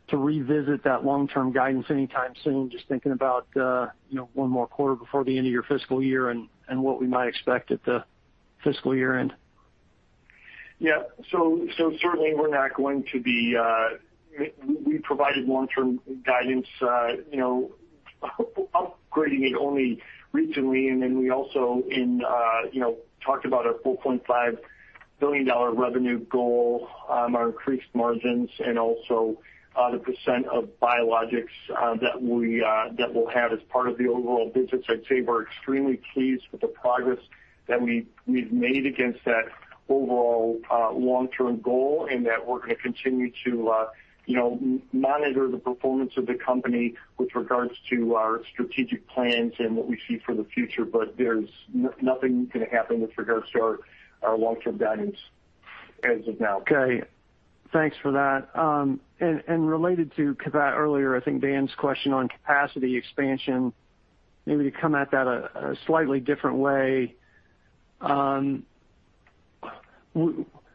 to revisit that long-term guidance anytime soon? Just thinking about one more quarter before the end of your fiscal year and what we might expect at the fiscal year-end. Certainly we provided long-term guidance, upgrading it only recently. We also talked about our $4.5 billion revenue goal, our increased margins, and also the percent of Biologics that we'll have as part of the overall business. I'd say we're extremely pleased with the progress that we've made against that overall long-term goal, and that we're going to continue to monitor the performance of the company with regards to our strategic plans and what we see for the future. There's nothing going to happen with regards to our long-term guidance as of now. Okay, thanks for that. Related to earlier, I think Dan's question on capacity expansion, maybe to come at that a slightly different way.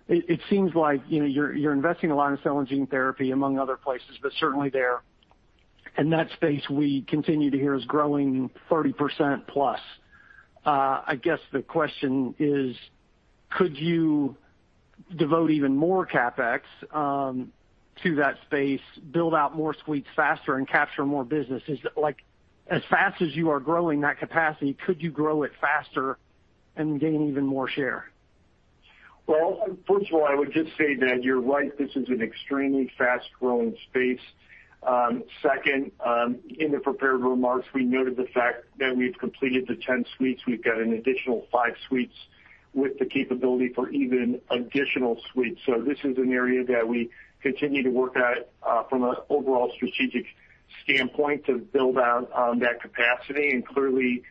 It seems like you're investing a lot in Cell & Gene Therapy among other places, but certainly there. In that space, we continue to hear is growing 30%+. The question is, could you devote even more CapEx to that space, build out more suites faster, and capture more business? As fast as you are growing that capacity, could you grow it faster and gain even more share? First of all, I would just say that you're right, this is an extremely fast-growing space. Second, in the prepared remarks, we noted the fact that we've completed the 10 suites. We've got an additional five suites with the capability for even additional suites. This is an area that we continue to work at from an overall strategic standpoint to build out that capacity. Clearly,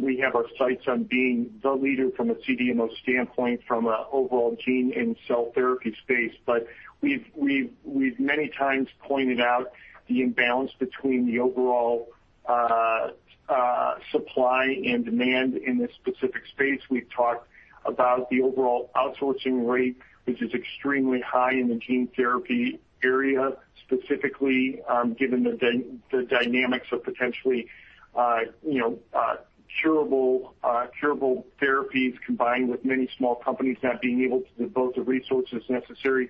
we have our sights on being the leader from a CDMO standpoint from an overall gene and cell therapy space. We've many times pointed out the imbalance between the overall supply and demand in this specific space. We've talked about the overall outsourcing rate, which is extremely high in the gene therapy area, specifically given the dynamics of potentially curable therapies combined with many small companies not being able to devote the resources necessary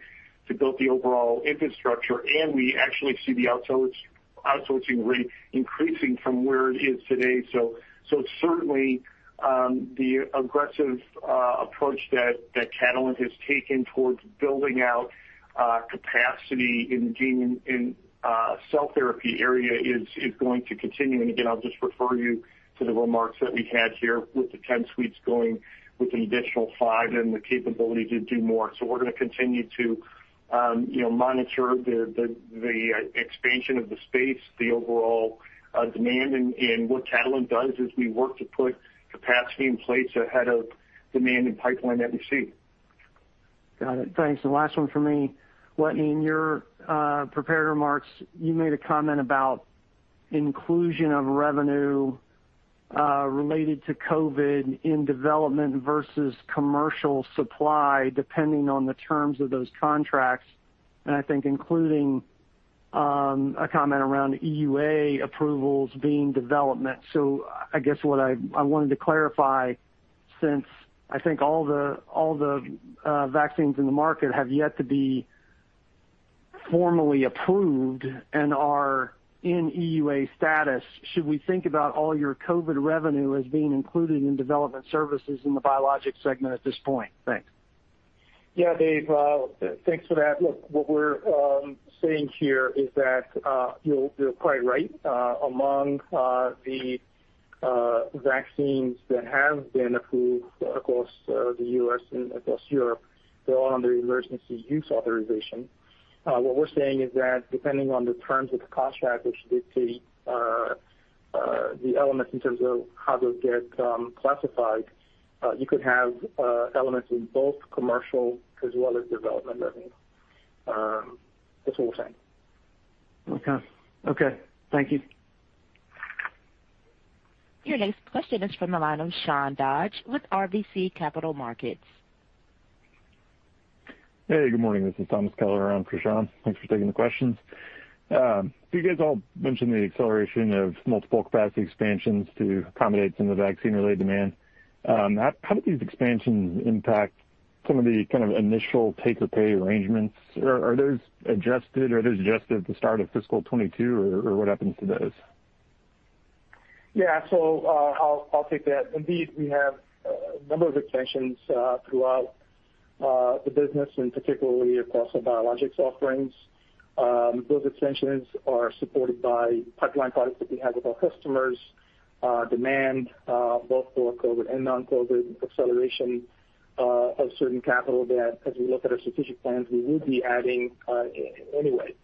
to build the overall infrastructure. We actually see the outsourcing rate increasing from where it is today. Certainly, the aggressive approach that Catalent has taken towards building out capacity in gene and cell therapy area is going to continue. Again, I'll just refer you to the remarks that we had here with the 10 suites going with an additional five and the capability to do more. We're going to continue to monitor the expansion of the space, the overall demand. What Catalent does is we work to put capacity in place ahead of demand and pipeline that we see. Got it, thanks. The last one from me. In your prepared remarks, you made a comment about inclusion of revenue related to COVID in development versus commercial supply, depending on the terms of those contracts, and I think including a comment around EUA approvals being development. I guess what I wanted to clarify, since I think all the vaccines in the market have yet to be formally approved and are in EUA status, should we think about all your COVID revenue as being included in development services in the Biologics segment at this point? Thanks. Yeah, Dave. Thanks for that. Look, what we're saying here is that you're quite right. Among the vaccines that have been approved across the U.S. and across Europe, they're all under emergency use authorization. What we're saying is that depending on the terms of the contract, which dictate the elements in terms of how they'll get classified, you could have elements in both commercial as well as development revenue. That's all I'm saying. Okay, thank you. Your next question is from the line of Sean Dodge with RBC Capital Markets. Hey, good morning. This is Thomas Keller on for Sean Dodge. Thanks for taking the questions. You guys all mentioned the acceleration of multiple capacity expansions to accommodate some of the vaccine-related demand. How do these expansions impact some of the kind of initial take-or-pay arrangements? Are those adjusted, or are those adjusted at the start of fiscal 2022, or what happens to those? Yeah. I'll take that. Indeed, we have a number of expansions throughout the business and particularly across our Biologics offerings. Those expansions are supported by pipeline products that we have with our customers, demand both for COVID and non-COVID acceleration of certain capital that as we look at our strategic plans, we will be adding anyway.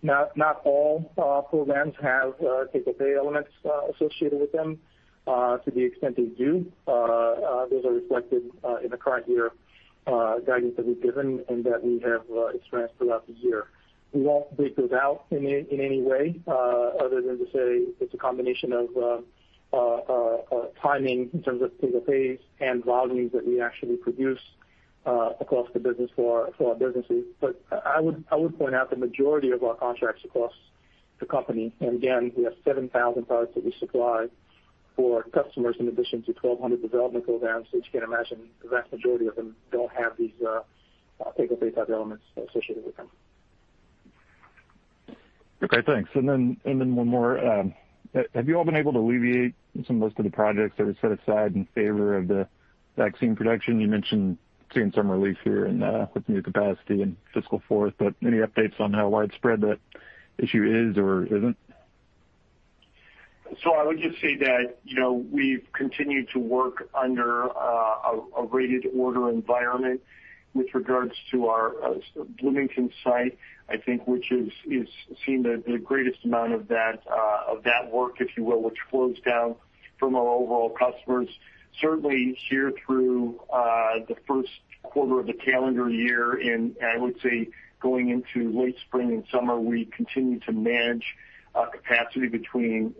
Not all programs have take-or-pay elements associated with them. To the extent they do, those are reflected in the current year guidance that we've given and that we have expressed throughout the year. We won't break those out in any way other than to say it's a combination of timing in terms of take-or-pays and volumes that we actually produce across the business for our businesses. I would point out the majority of our contracts across the company, and again, we have 7,000 products that we supply for customers in addition to 1,200 development programs. As you can imagine, the vast majority of them don't have these take-or-pay type elements associated with them. Okay, thanks. Then one more. Have you all been able to alleviate some of those kinds of projects that are set aside in favor of the vaccine production? You mentioned seeing some relief here with new capacity in fiscal fourth, but any updates on how widespread that issue is or isn't? I would just say that we've continued to work under a rated order environment with regards to our Bloomington site, I think, which has seen the greatest amount of that work, if you will, which flows down from our overall customers. Certainly here through the first quarter of the calendar year, and I would say going into late spring and summer, we continue to manage capacity between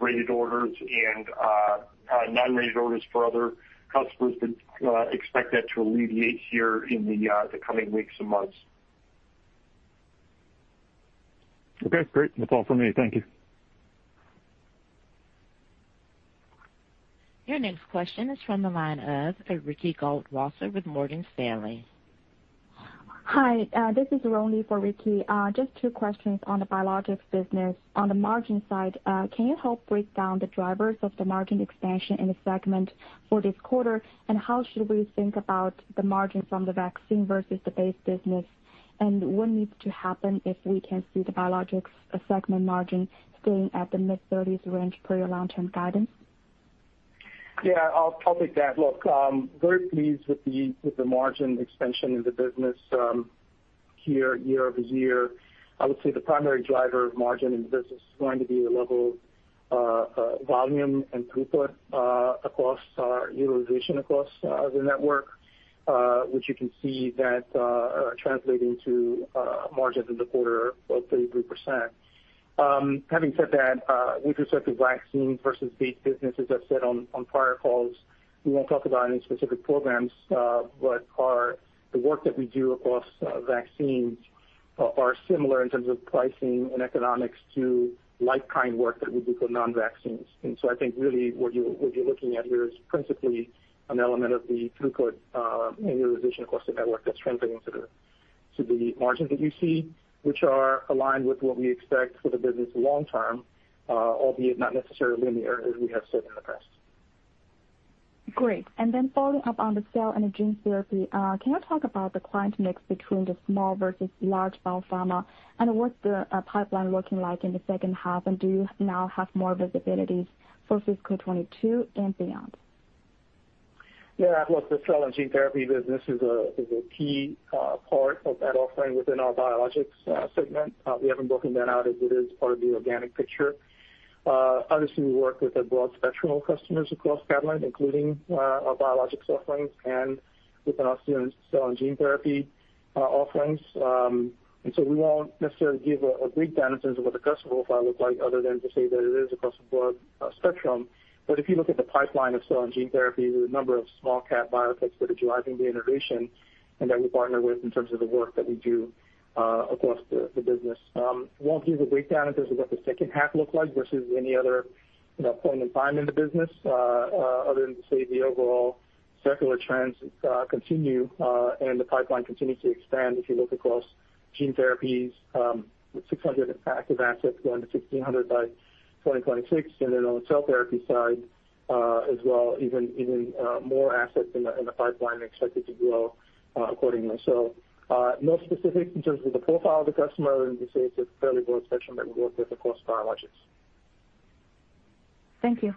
rated orders and non-rated orders for other customers, but expect that to alleviate here in the coming weeks and months. Okay, great. That's all for me. Thank you. Your next question is from the line of Ricky Goldwasser with Morgan Stanley. Hi, this is Roni for Ricky. Just two questions on the Biologics business. On the margin side, can you help break down the drivers of the margin expansion in the segment for this quarter? How should we think about the margin from the vaccine versus the base business? What needs to happen if we can see the Biologics segment margin staying at the mid-30% range per your long-term guidance? Yeah, I'll take that. Look, very pleased with the margin expansion in the business here year-over-year. I would say the primary driver of margin in the business is going to be the level of volume and throughput across our utilization across the network, which you can see that translating to margins in the quarter of 33%. Having said that, with respect to vaccine versus base business, as I've said on prior calls, we won't talk about any specific programs. The work that we do across vaccines are similar in terms of pricing and economics to like kind work that we do for non-vaccines. I think really what you're looking at here is principally an element of the throughput and utilization across the network that's translating to the margins that you see, which are aligned with what we expect for the business long term, albeit not necessarily linear, as we have said in the past. Great. Following up on the Cell & Gene Therapy, can you talk about the client mix between the small versus large biopharma? What's the pipeline looking like in the second half? Do you now have more visibility for fiscal 2022 and beyond? Yeah, look, the Cell & Gene Therapy business is a key part of that offering within our Biologics segment. We haven't broken that out as it is part of the organic picture. Obviously, we work with a broad spectrum of customers across Catalent, including our Biologics offerings and within our Cell & Gene Therapy offerings. We won't necessarily give a breakdown in terms of what the customer profile looks like other than to say that it is across a broad spectrum. If you look at the pipeline of Cell & Gene Therapy, there's a number of small cap biotechs that are driving the innovation and that we partner with in terms of the work that we do across the business. We won't give a breakdown in terms of what the second half looks like versus any other point in time in the business other than to say the overall secular trends continue and the pipeline continues to expand. If you look across gene therapies with 600 active assets going to 1,600 by 2026, and then on the cell therapy side as well, even more assets in the pipeline expected to grow accordingly. No specifics in terms of the profile of the customer other than to say it's a fairly broad spectrum that we work with across Biologics. Thank you.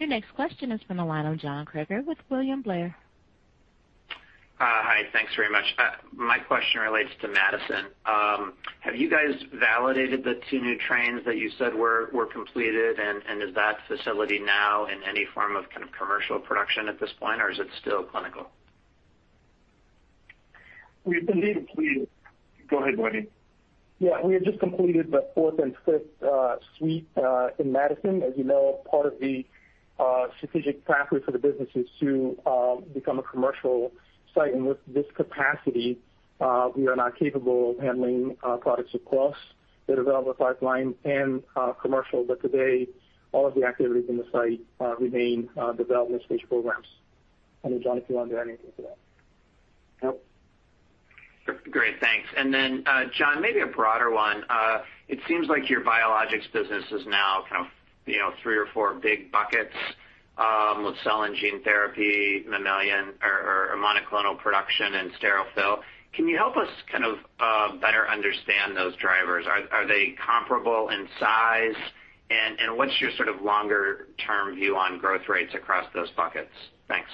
Your next question is from the line of John Kreger with William Blair. Hi, thanks very much. My question relates to Madison. Have you guys validated the two new trains that you said were completed? Is that facility now in any form of kind of commercial production at this point, or is it still clinical? Go ahead, Wetteny. Yeah, we have just completed the fourth and fifth suite in Madison. As you know, part of the strategic pathway for the business is to become a commercial site. With this capacity, we are now capable of handling products across the development pipeline and commercial. Today, all of the activities in the site remain development stage programs. I don't know, John, if you want to add anything to that? No. Great, thanks. John, maybe a broader one. It seems like your Biologics business is now three or four big buckets with Cell & Gene Therapy, mammalian or monoclonal production, and sterile fill. Can you help us better understand those drivers? Are they comparable in size? What's your sort of longer-term view on growth rates across those buckets? Thanks.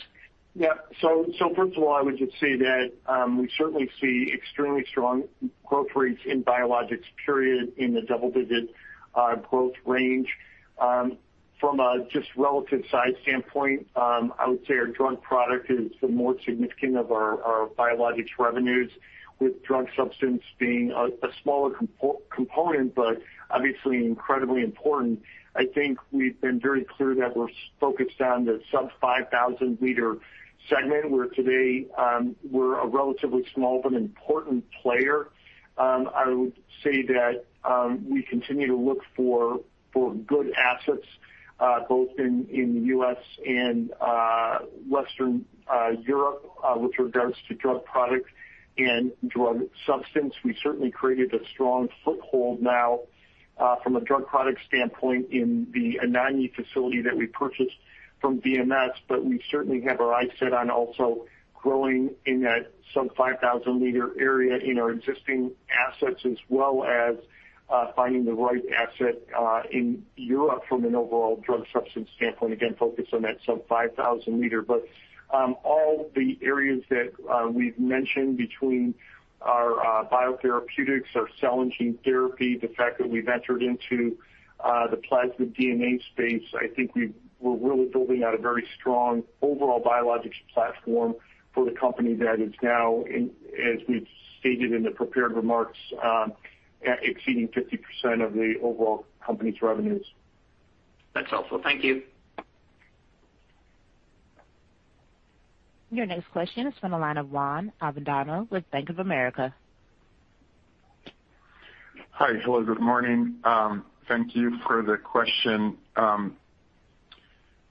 First of all, I would just say that we certainly see extremely strong growth rates in Biologics, period, in the double-digit growth range. From a just relative size standpoint, I would say our drug product is the more significant of our Biologics revenues, with drug substance being a smaller component, but obviously incredibly important. I think we've been very clear that we're focused on the sub 5,000 liter segment, where today we're a relatively small but important player. I would say that we continue to look for good assets, both in the U.S. and Western Europe with regards to drug product and drug substance. We certainly created a strong foothold now from a drug product standpoint in the Anagni facility that we purchased from BMS. We certainly have our eyes set on also growing in that sub 5,000 liter area in our existing assets as well as finding the right asset in Europe from an overall drug substance standpoint. Again, focused on that sub 5,000 liter. All the areas that we've mentioned between our Biologics, our Cell & Gene Therapy, the fact that we've entered into the plasmid DNA space, I think we're really building out a very strong overall Biologics platform for the company that is now, as we've stated in the prepared remarks, exceeding 50% of the overall company's revenues. That's helpful. Thank you. Your next question is from the line of Juan Avendano with Bank of America. Hello, good morning. Thank you for the question.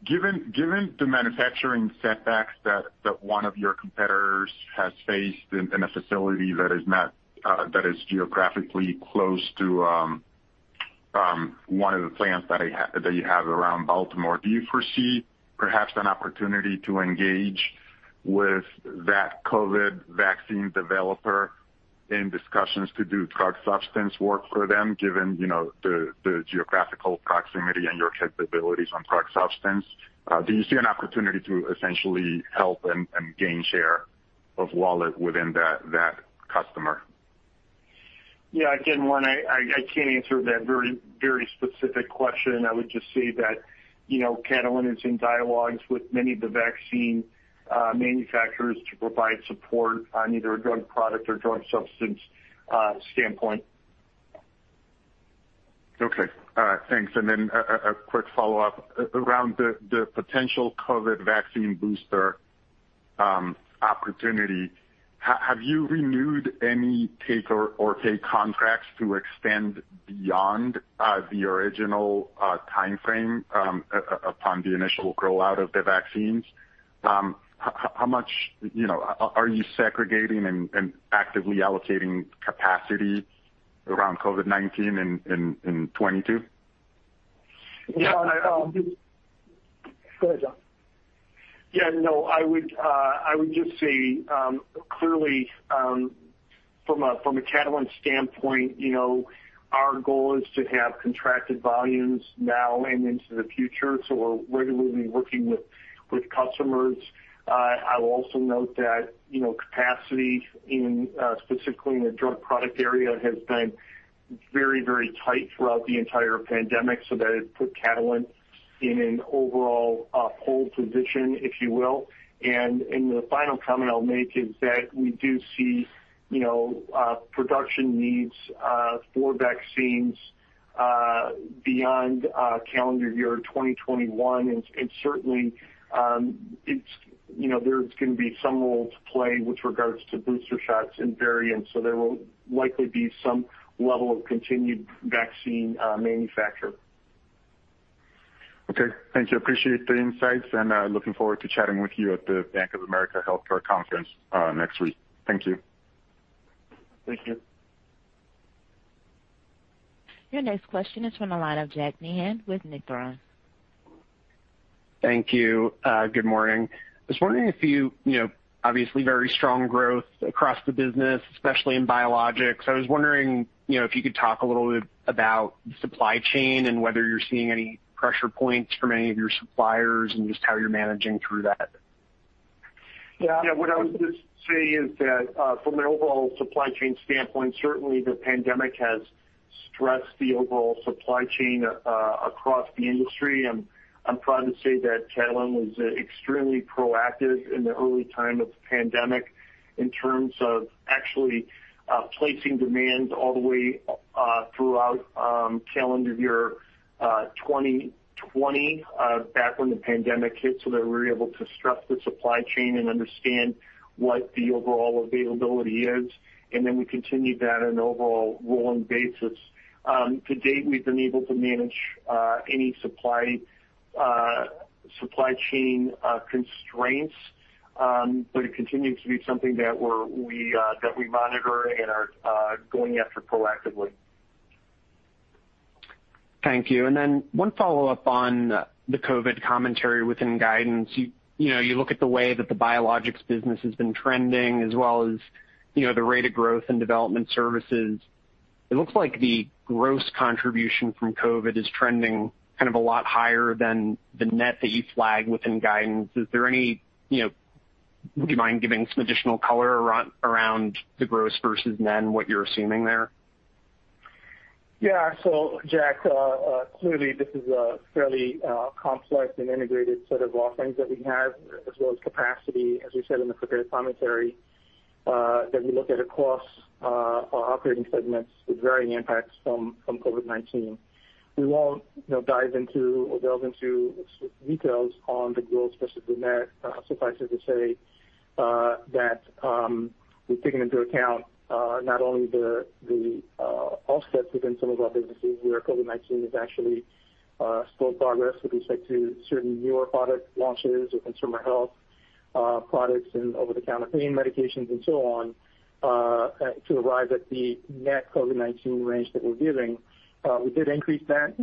Given the manufacturing setbacks that one of your competitors has faced in a facility that is geographically close to one of the plants that you have around Baltimore, do you foresee perhaps an opportunity to engage with that COVID vaccine developer in discussions to do drug substance work for them, given the geographical proximity and your capabilities on drug substance? Do you see an opportunity to essentially help and gain share of wallet within that customer? Yeah. Again, Juan, I can't answer that very specific question. I would just say that Catalent is in dialogues with many of the vaccine manufacturers to provide support on either a drug product or drug substance standpoint. Okay. All right, thanks. Then a quick follow-up. Around the potential COVID-19 vaccine booster opportunity, have you renewed any take-or-pay contracts to extend beyond the original timeframe upon the initial grow-out of the vaccines? Are you segregating and actively allocating capacity around COVID-19 in 2022? Yeah. Go ahead, John. Yeah, no. I would just say, clearly, from a Catalent standpoint, our goal is to have contracted volumes now and into the future. We're regularly working with customers. I will also note that capacity specifically in the drug product area has been very tight throughout the entire pandemic. It put Catalent in an overall pole position, if you will. The final comment I'll make is that we do see production needs for vaccines beyond calendar year 2021. Certainly, there's going to be some role to play with regards to booster shots and variants. There will likely be some level of continued vaccine manufacture. Okay. Thank you. Appreciate the insights and looking forward to chatting with you at the Bank of America Healthcare Conference next week. Thank you. Thank you. Your next question is from the line of Jack Meehan with Nephron Research. Thank you. Good morning. I was wondering if you, obviously very strong growth across the business, especially in Biologics. I was wondering if you could talk a little bit about supply chain and whether you're seeing any pressure points from any of your suppliers and just how you're managing through that? Yeah, what I would just say is that from an overall supply chain standpoint, certainly the pandemic has stressed the overall supply chain across the industry, and I'm proud to say that Catalent was extremely proactive in the early time of the pandemic in terms of actually placing demands all the way throughout calendar year 2020, back when the pandemic hit, so that we were able to stress the supply chain and understand what the overall availability is. Then we continued that on an overall rolling basis. To date, we've been able to manage any supply chain constraints, but it continues to be something that we monitor and are going after proactively. Thank you. One follow-up on the COVID commentary within guidance. You look at the way that the Biologics business has been trending as well as the rate of growth in development services. It looks like the gross contribution from COVID is trending a lot higher than the net that you flagged within guidance. Would you mind giving some additional color around the gross versus net and what you're assuming there? Jack, clearly this is a fairly complex and integrated set of offerings that we have, as well as capacity, as we said in the prepared commentary, that we look at across our operating segments with varying impacts from COVID-19. We won't dive into or delve into details on the gross versus the net. Suffice it to say that we've taken into account not only the offsets within some of our businesses where COVID-19 has actually slowed progress with respect to certain newer product launches or consumer health products and over-the-counter pain medications and so on, to arrive at the net COVID-19 range that we're giving. We did increase that.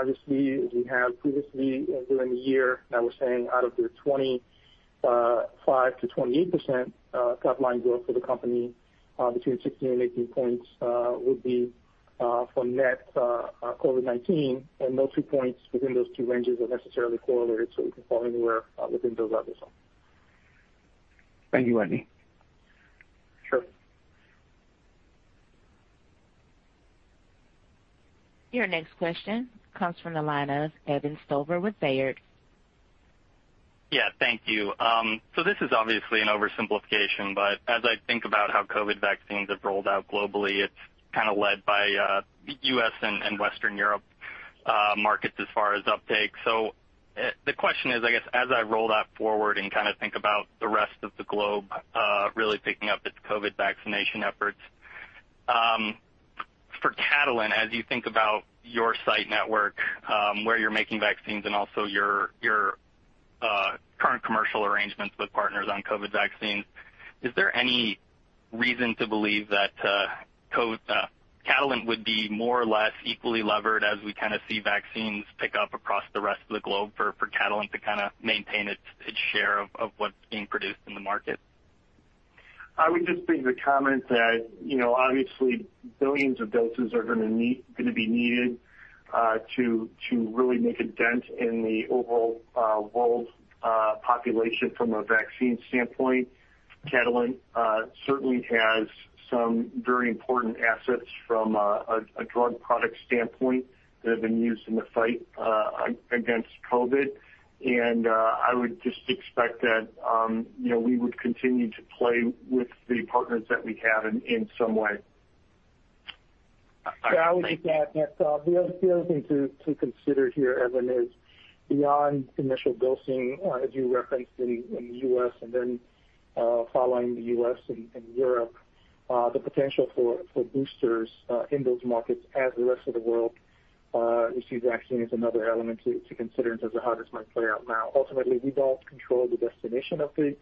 As we have previously during the year, I was saying out of the 25%-28% top-line growth for the company, between 16 and 18 points would be from net COVID-19, and those two points within those two ranges are necessarily correlated, so we can fall anywhere within those others. Thank you, Wetteny. Sure. Your next question comes from the line of Evan Stover with Baird. Yeah, thank you. This is obviously an oversimplification, but as I think about how COVID vaccines have rolled out globally, it's led by U.S. and Western Europe markets as far as uptake. The question is, I guess, as I roll that forward and think about the rest of the globe really picking up its COVID vaccination efforts, for Catalent, as you think about your site network where you're making vaccines and also your current commercial arrangements with partners on COVID vaccines, is there any reason to believe that Catalent would be more or less equally levered as we see vaccines pick up across the rest of the globe for Catalent to maintain its share of what's being produced in the market? I would just leave the comment that, obviously billions of doses are going to be needed to really make a dent in the overall world population from a vaccine standpoint. Catalent certainly has some very important assets from a drug product standpoint that have been used in the fight against COVID, I would just expect that we would continue to play with the partners that we have in some way. Yeah, I would add that the other thing to consider here, Evan, is beyond initial dosing, as you referenced in the U.S. and then following the U.S. and Europe, the potential for boosters in those markets as the rest of the world receives vaccines is another element to consider in terms of how this might play out. Now, ultimately, we don't control the destination of the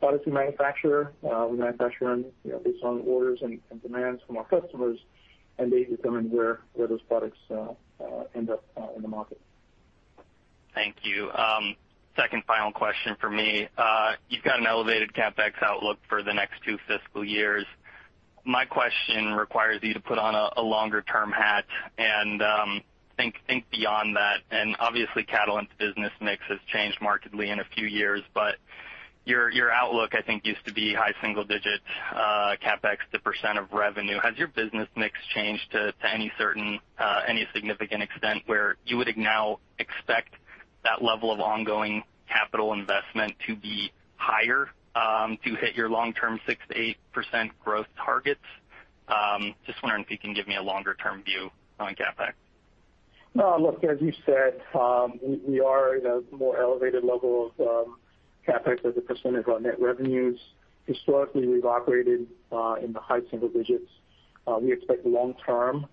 products we manufacture. We manufacture them based on orders and demands from our customers, and they determine where those products end up in the market. Thank you. Second final question from me. You've got an elevated CapEx outlook for the next two fiscal years. My question requires you to put on a longer-term hat and think beyond that. Obviously, Catalent's business mix has changed markedly in a few years, but your outlook, I think, used to be high single digits CapEx as a percent of revenue. Has your business mix changed to any significant extent where you would now expect that level of ongoing capital investment to be higher to hit your long-term 6%-8% growth targets? Just wondering if you can give me a longer-term view on CapEx. As you said, we are in a more elevated level of CapEx as a percent of our net revenues. Historically, we've operated in the high single digits. We expect long term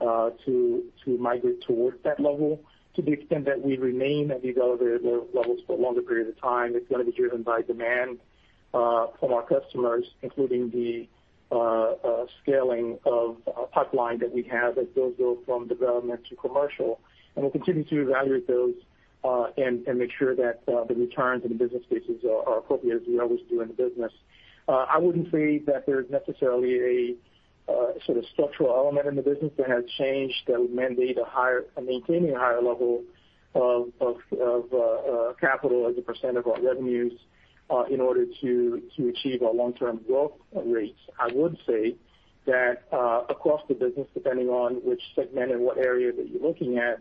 to migrate towards that level. To the extent that we remain at these elevated levels for a longer period of time, it's going to be driven by demand from our customers, including the scaling of a pipeline that we have that does go from development to commercial. We'll continue to evaluate those and make sure that the returns and the business cases are appropriate as we always do in the business. I wouldn't say that there's necessarily a sort of structural element in the business that has changed that would mandate maintaining a higher level of capital as a percent of our revenues in order to achieve our long-term growth rates. I would say that across the business, depending on which segment and what area that you're looking at,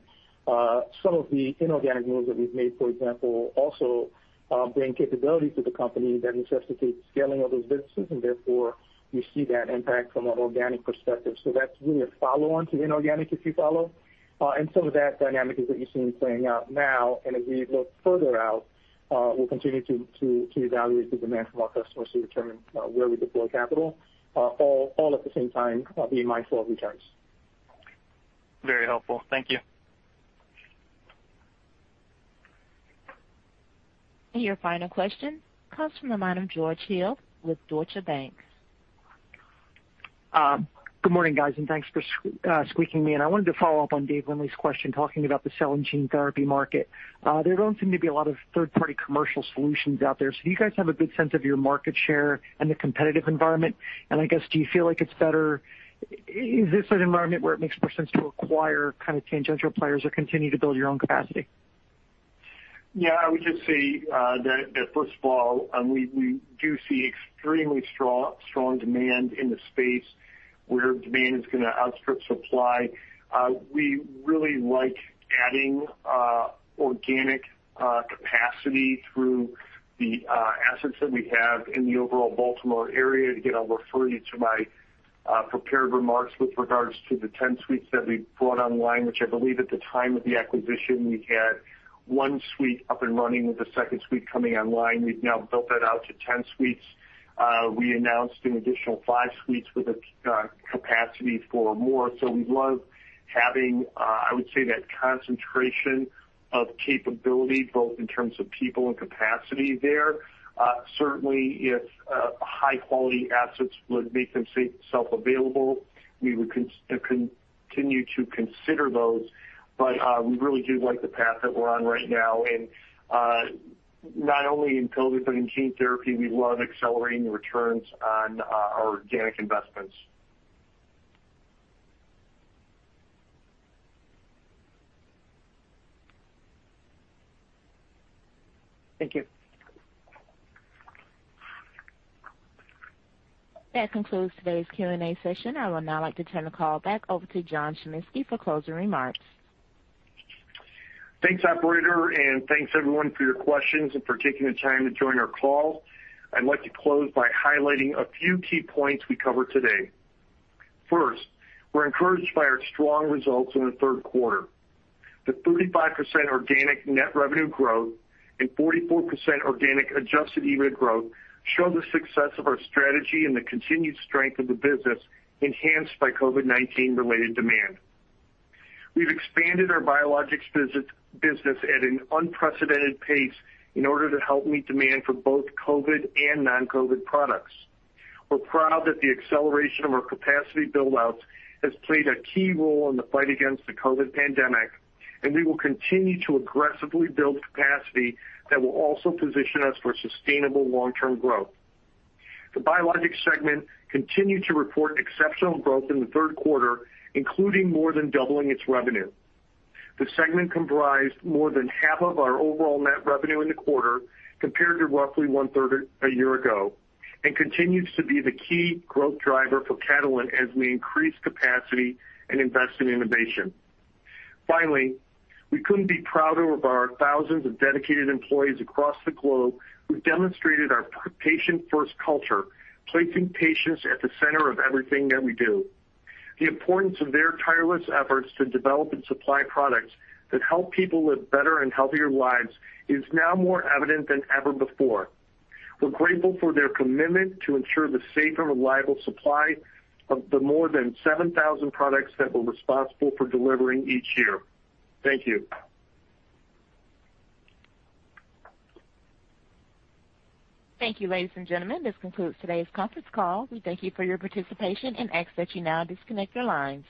some of the inorganic moves that we've made, for example, also bring capability to the company that necessitates scaling of those businesses, and therefore you see that impact from an organic perspective. That's really a follow-on to inorganic, if you follow, and some of that dynamic is what you're seeing playing out now. As we look further out, we'll continue to evaluate the demand from our customers to determine where we deploy capital, all at the same time being mindful of returns. Very helpful. Thank you. Your final question comes from the line of George Hill with Deutsche Bank. Good morning, guys, and thanks for squeaking me in. I wanted to follow up on Dave Windley's question, talking about the Cell & Gene Therapy market. There don't seem to be a lot of third-party commercial solutions out there. Do you guys have a good sense of your market share and the competitive environment? I guess, do you feel like, is this an environment where it makes more sense to acquire tangential players or continue to build your own capacity? Yeah, I would just say that first of all, we do see extremely strong demand in the space where demand is going to outstrip supply. We really like adding organic capacity through the assets that we have in the overall Baltimore area. I'll refer you to my prepared remarks with regards to the 10 suites that we brought online, which I believe at the time of the acquisition, we had one suite up and running with the second suite coming online. We've now built that out to 10 suites. We announced an additional five suites with a capacity for more. We love having, I would say, that concentration of capability, both in terms of people and capacity there. Certainly, if high-quality assets would make themselves available, we would continue to consider those. We really do like the path that we're on right now, and not only in COVID, but in gene therapy, we love accelerating returns on our organic investments. Thank you. That concludes today's Q&A session. I would now like to turn the call back over to John Chiminski for closing remarks. Thanks, operator. Thanks everyone for your questions and for taking the time to join our call. I'd like to close by highlighting a few key points we covered today. First, we're encouraged by our strong results in the third quarter. The 35% organic net revenue growth and 44% organic adjusted EBIT growth show the success of our strategy and the continued strength of the business enhanced by COVID-19 related demand. We've expanded our Biologics business at an unprecedented pace in order to help meet demand for both COVID and non-COVID products. We're proud that the acceleration of our capacity build-outs has played a key role in the fight against the COVID pandemic. We will continue to aggressively build capacity that will also position us for sustainable long-term growth. The Biologics segment continued to report exceptional growth in the third quarter, including more than doubling its revenue. The segment comprised more than half of our overall net revenue in the quarter, compared to roughly 1/3 a year ago, and continues to be the key growth driver for Catalent as we increase capacity and invest in innovation. Finally, we couldn't be prouder of our thousands of dedicated employees across the globe who demonstrated our patient first culture, placing patients at the center of everything that we do. The importance of their tireless efforts to develop and supply products that help people live better and healthier lives is now more evident than ever before. We're grateful for their commitment to ensure the safe and reliable supply of the more than 7,000 products that we're responsible for delivering each year. Thank you. Thank you, ladies and gentlemen. This concludes today's conference call. We thank you for your participation and ask that you now disconnect your lines.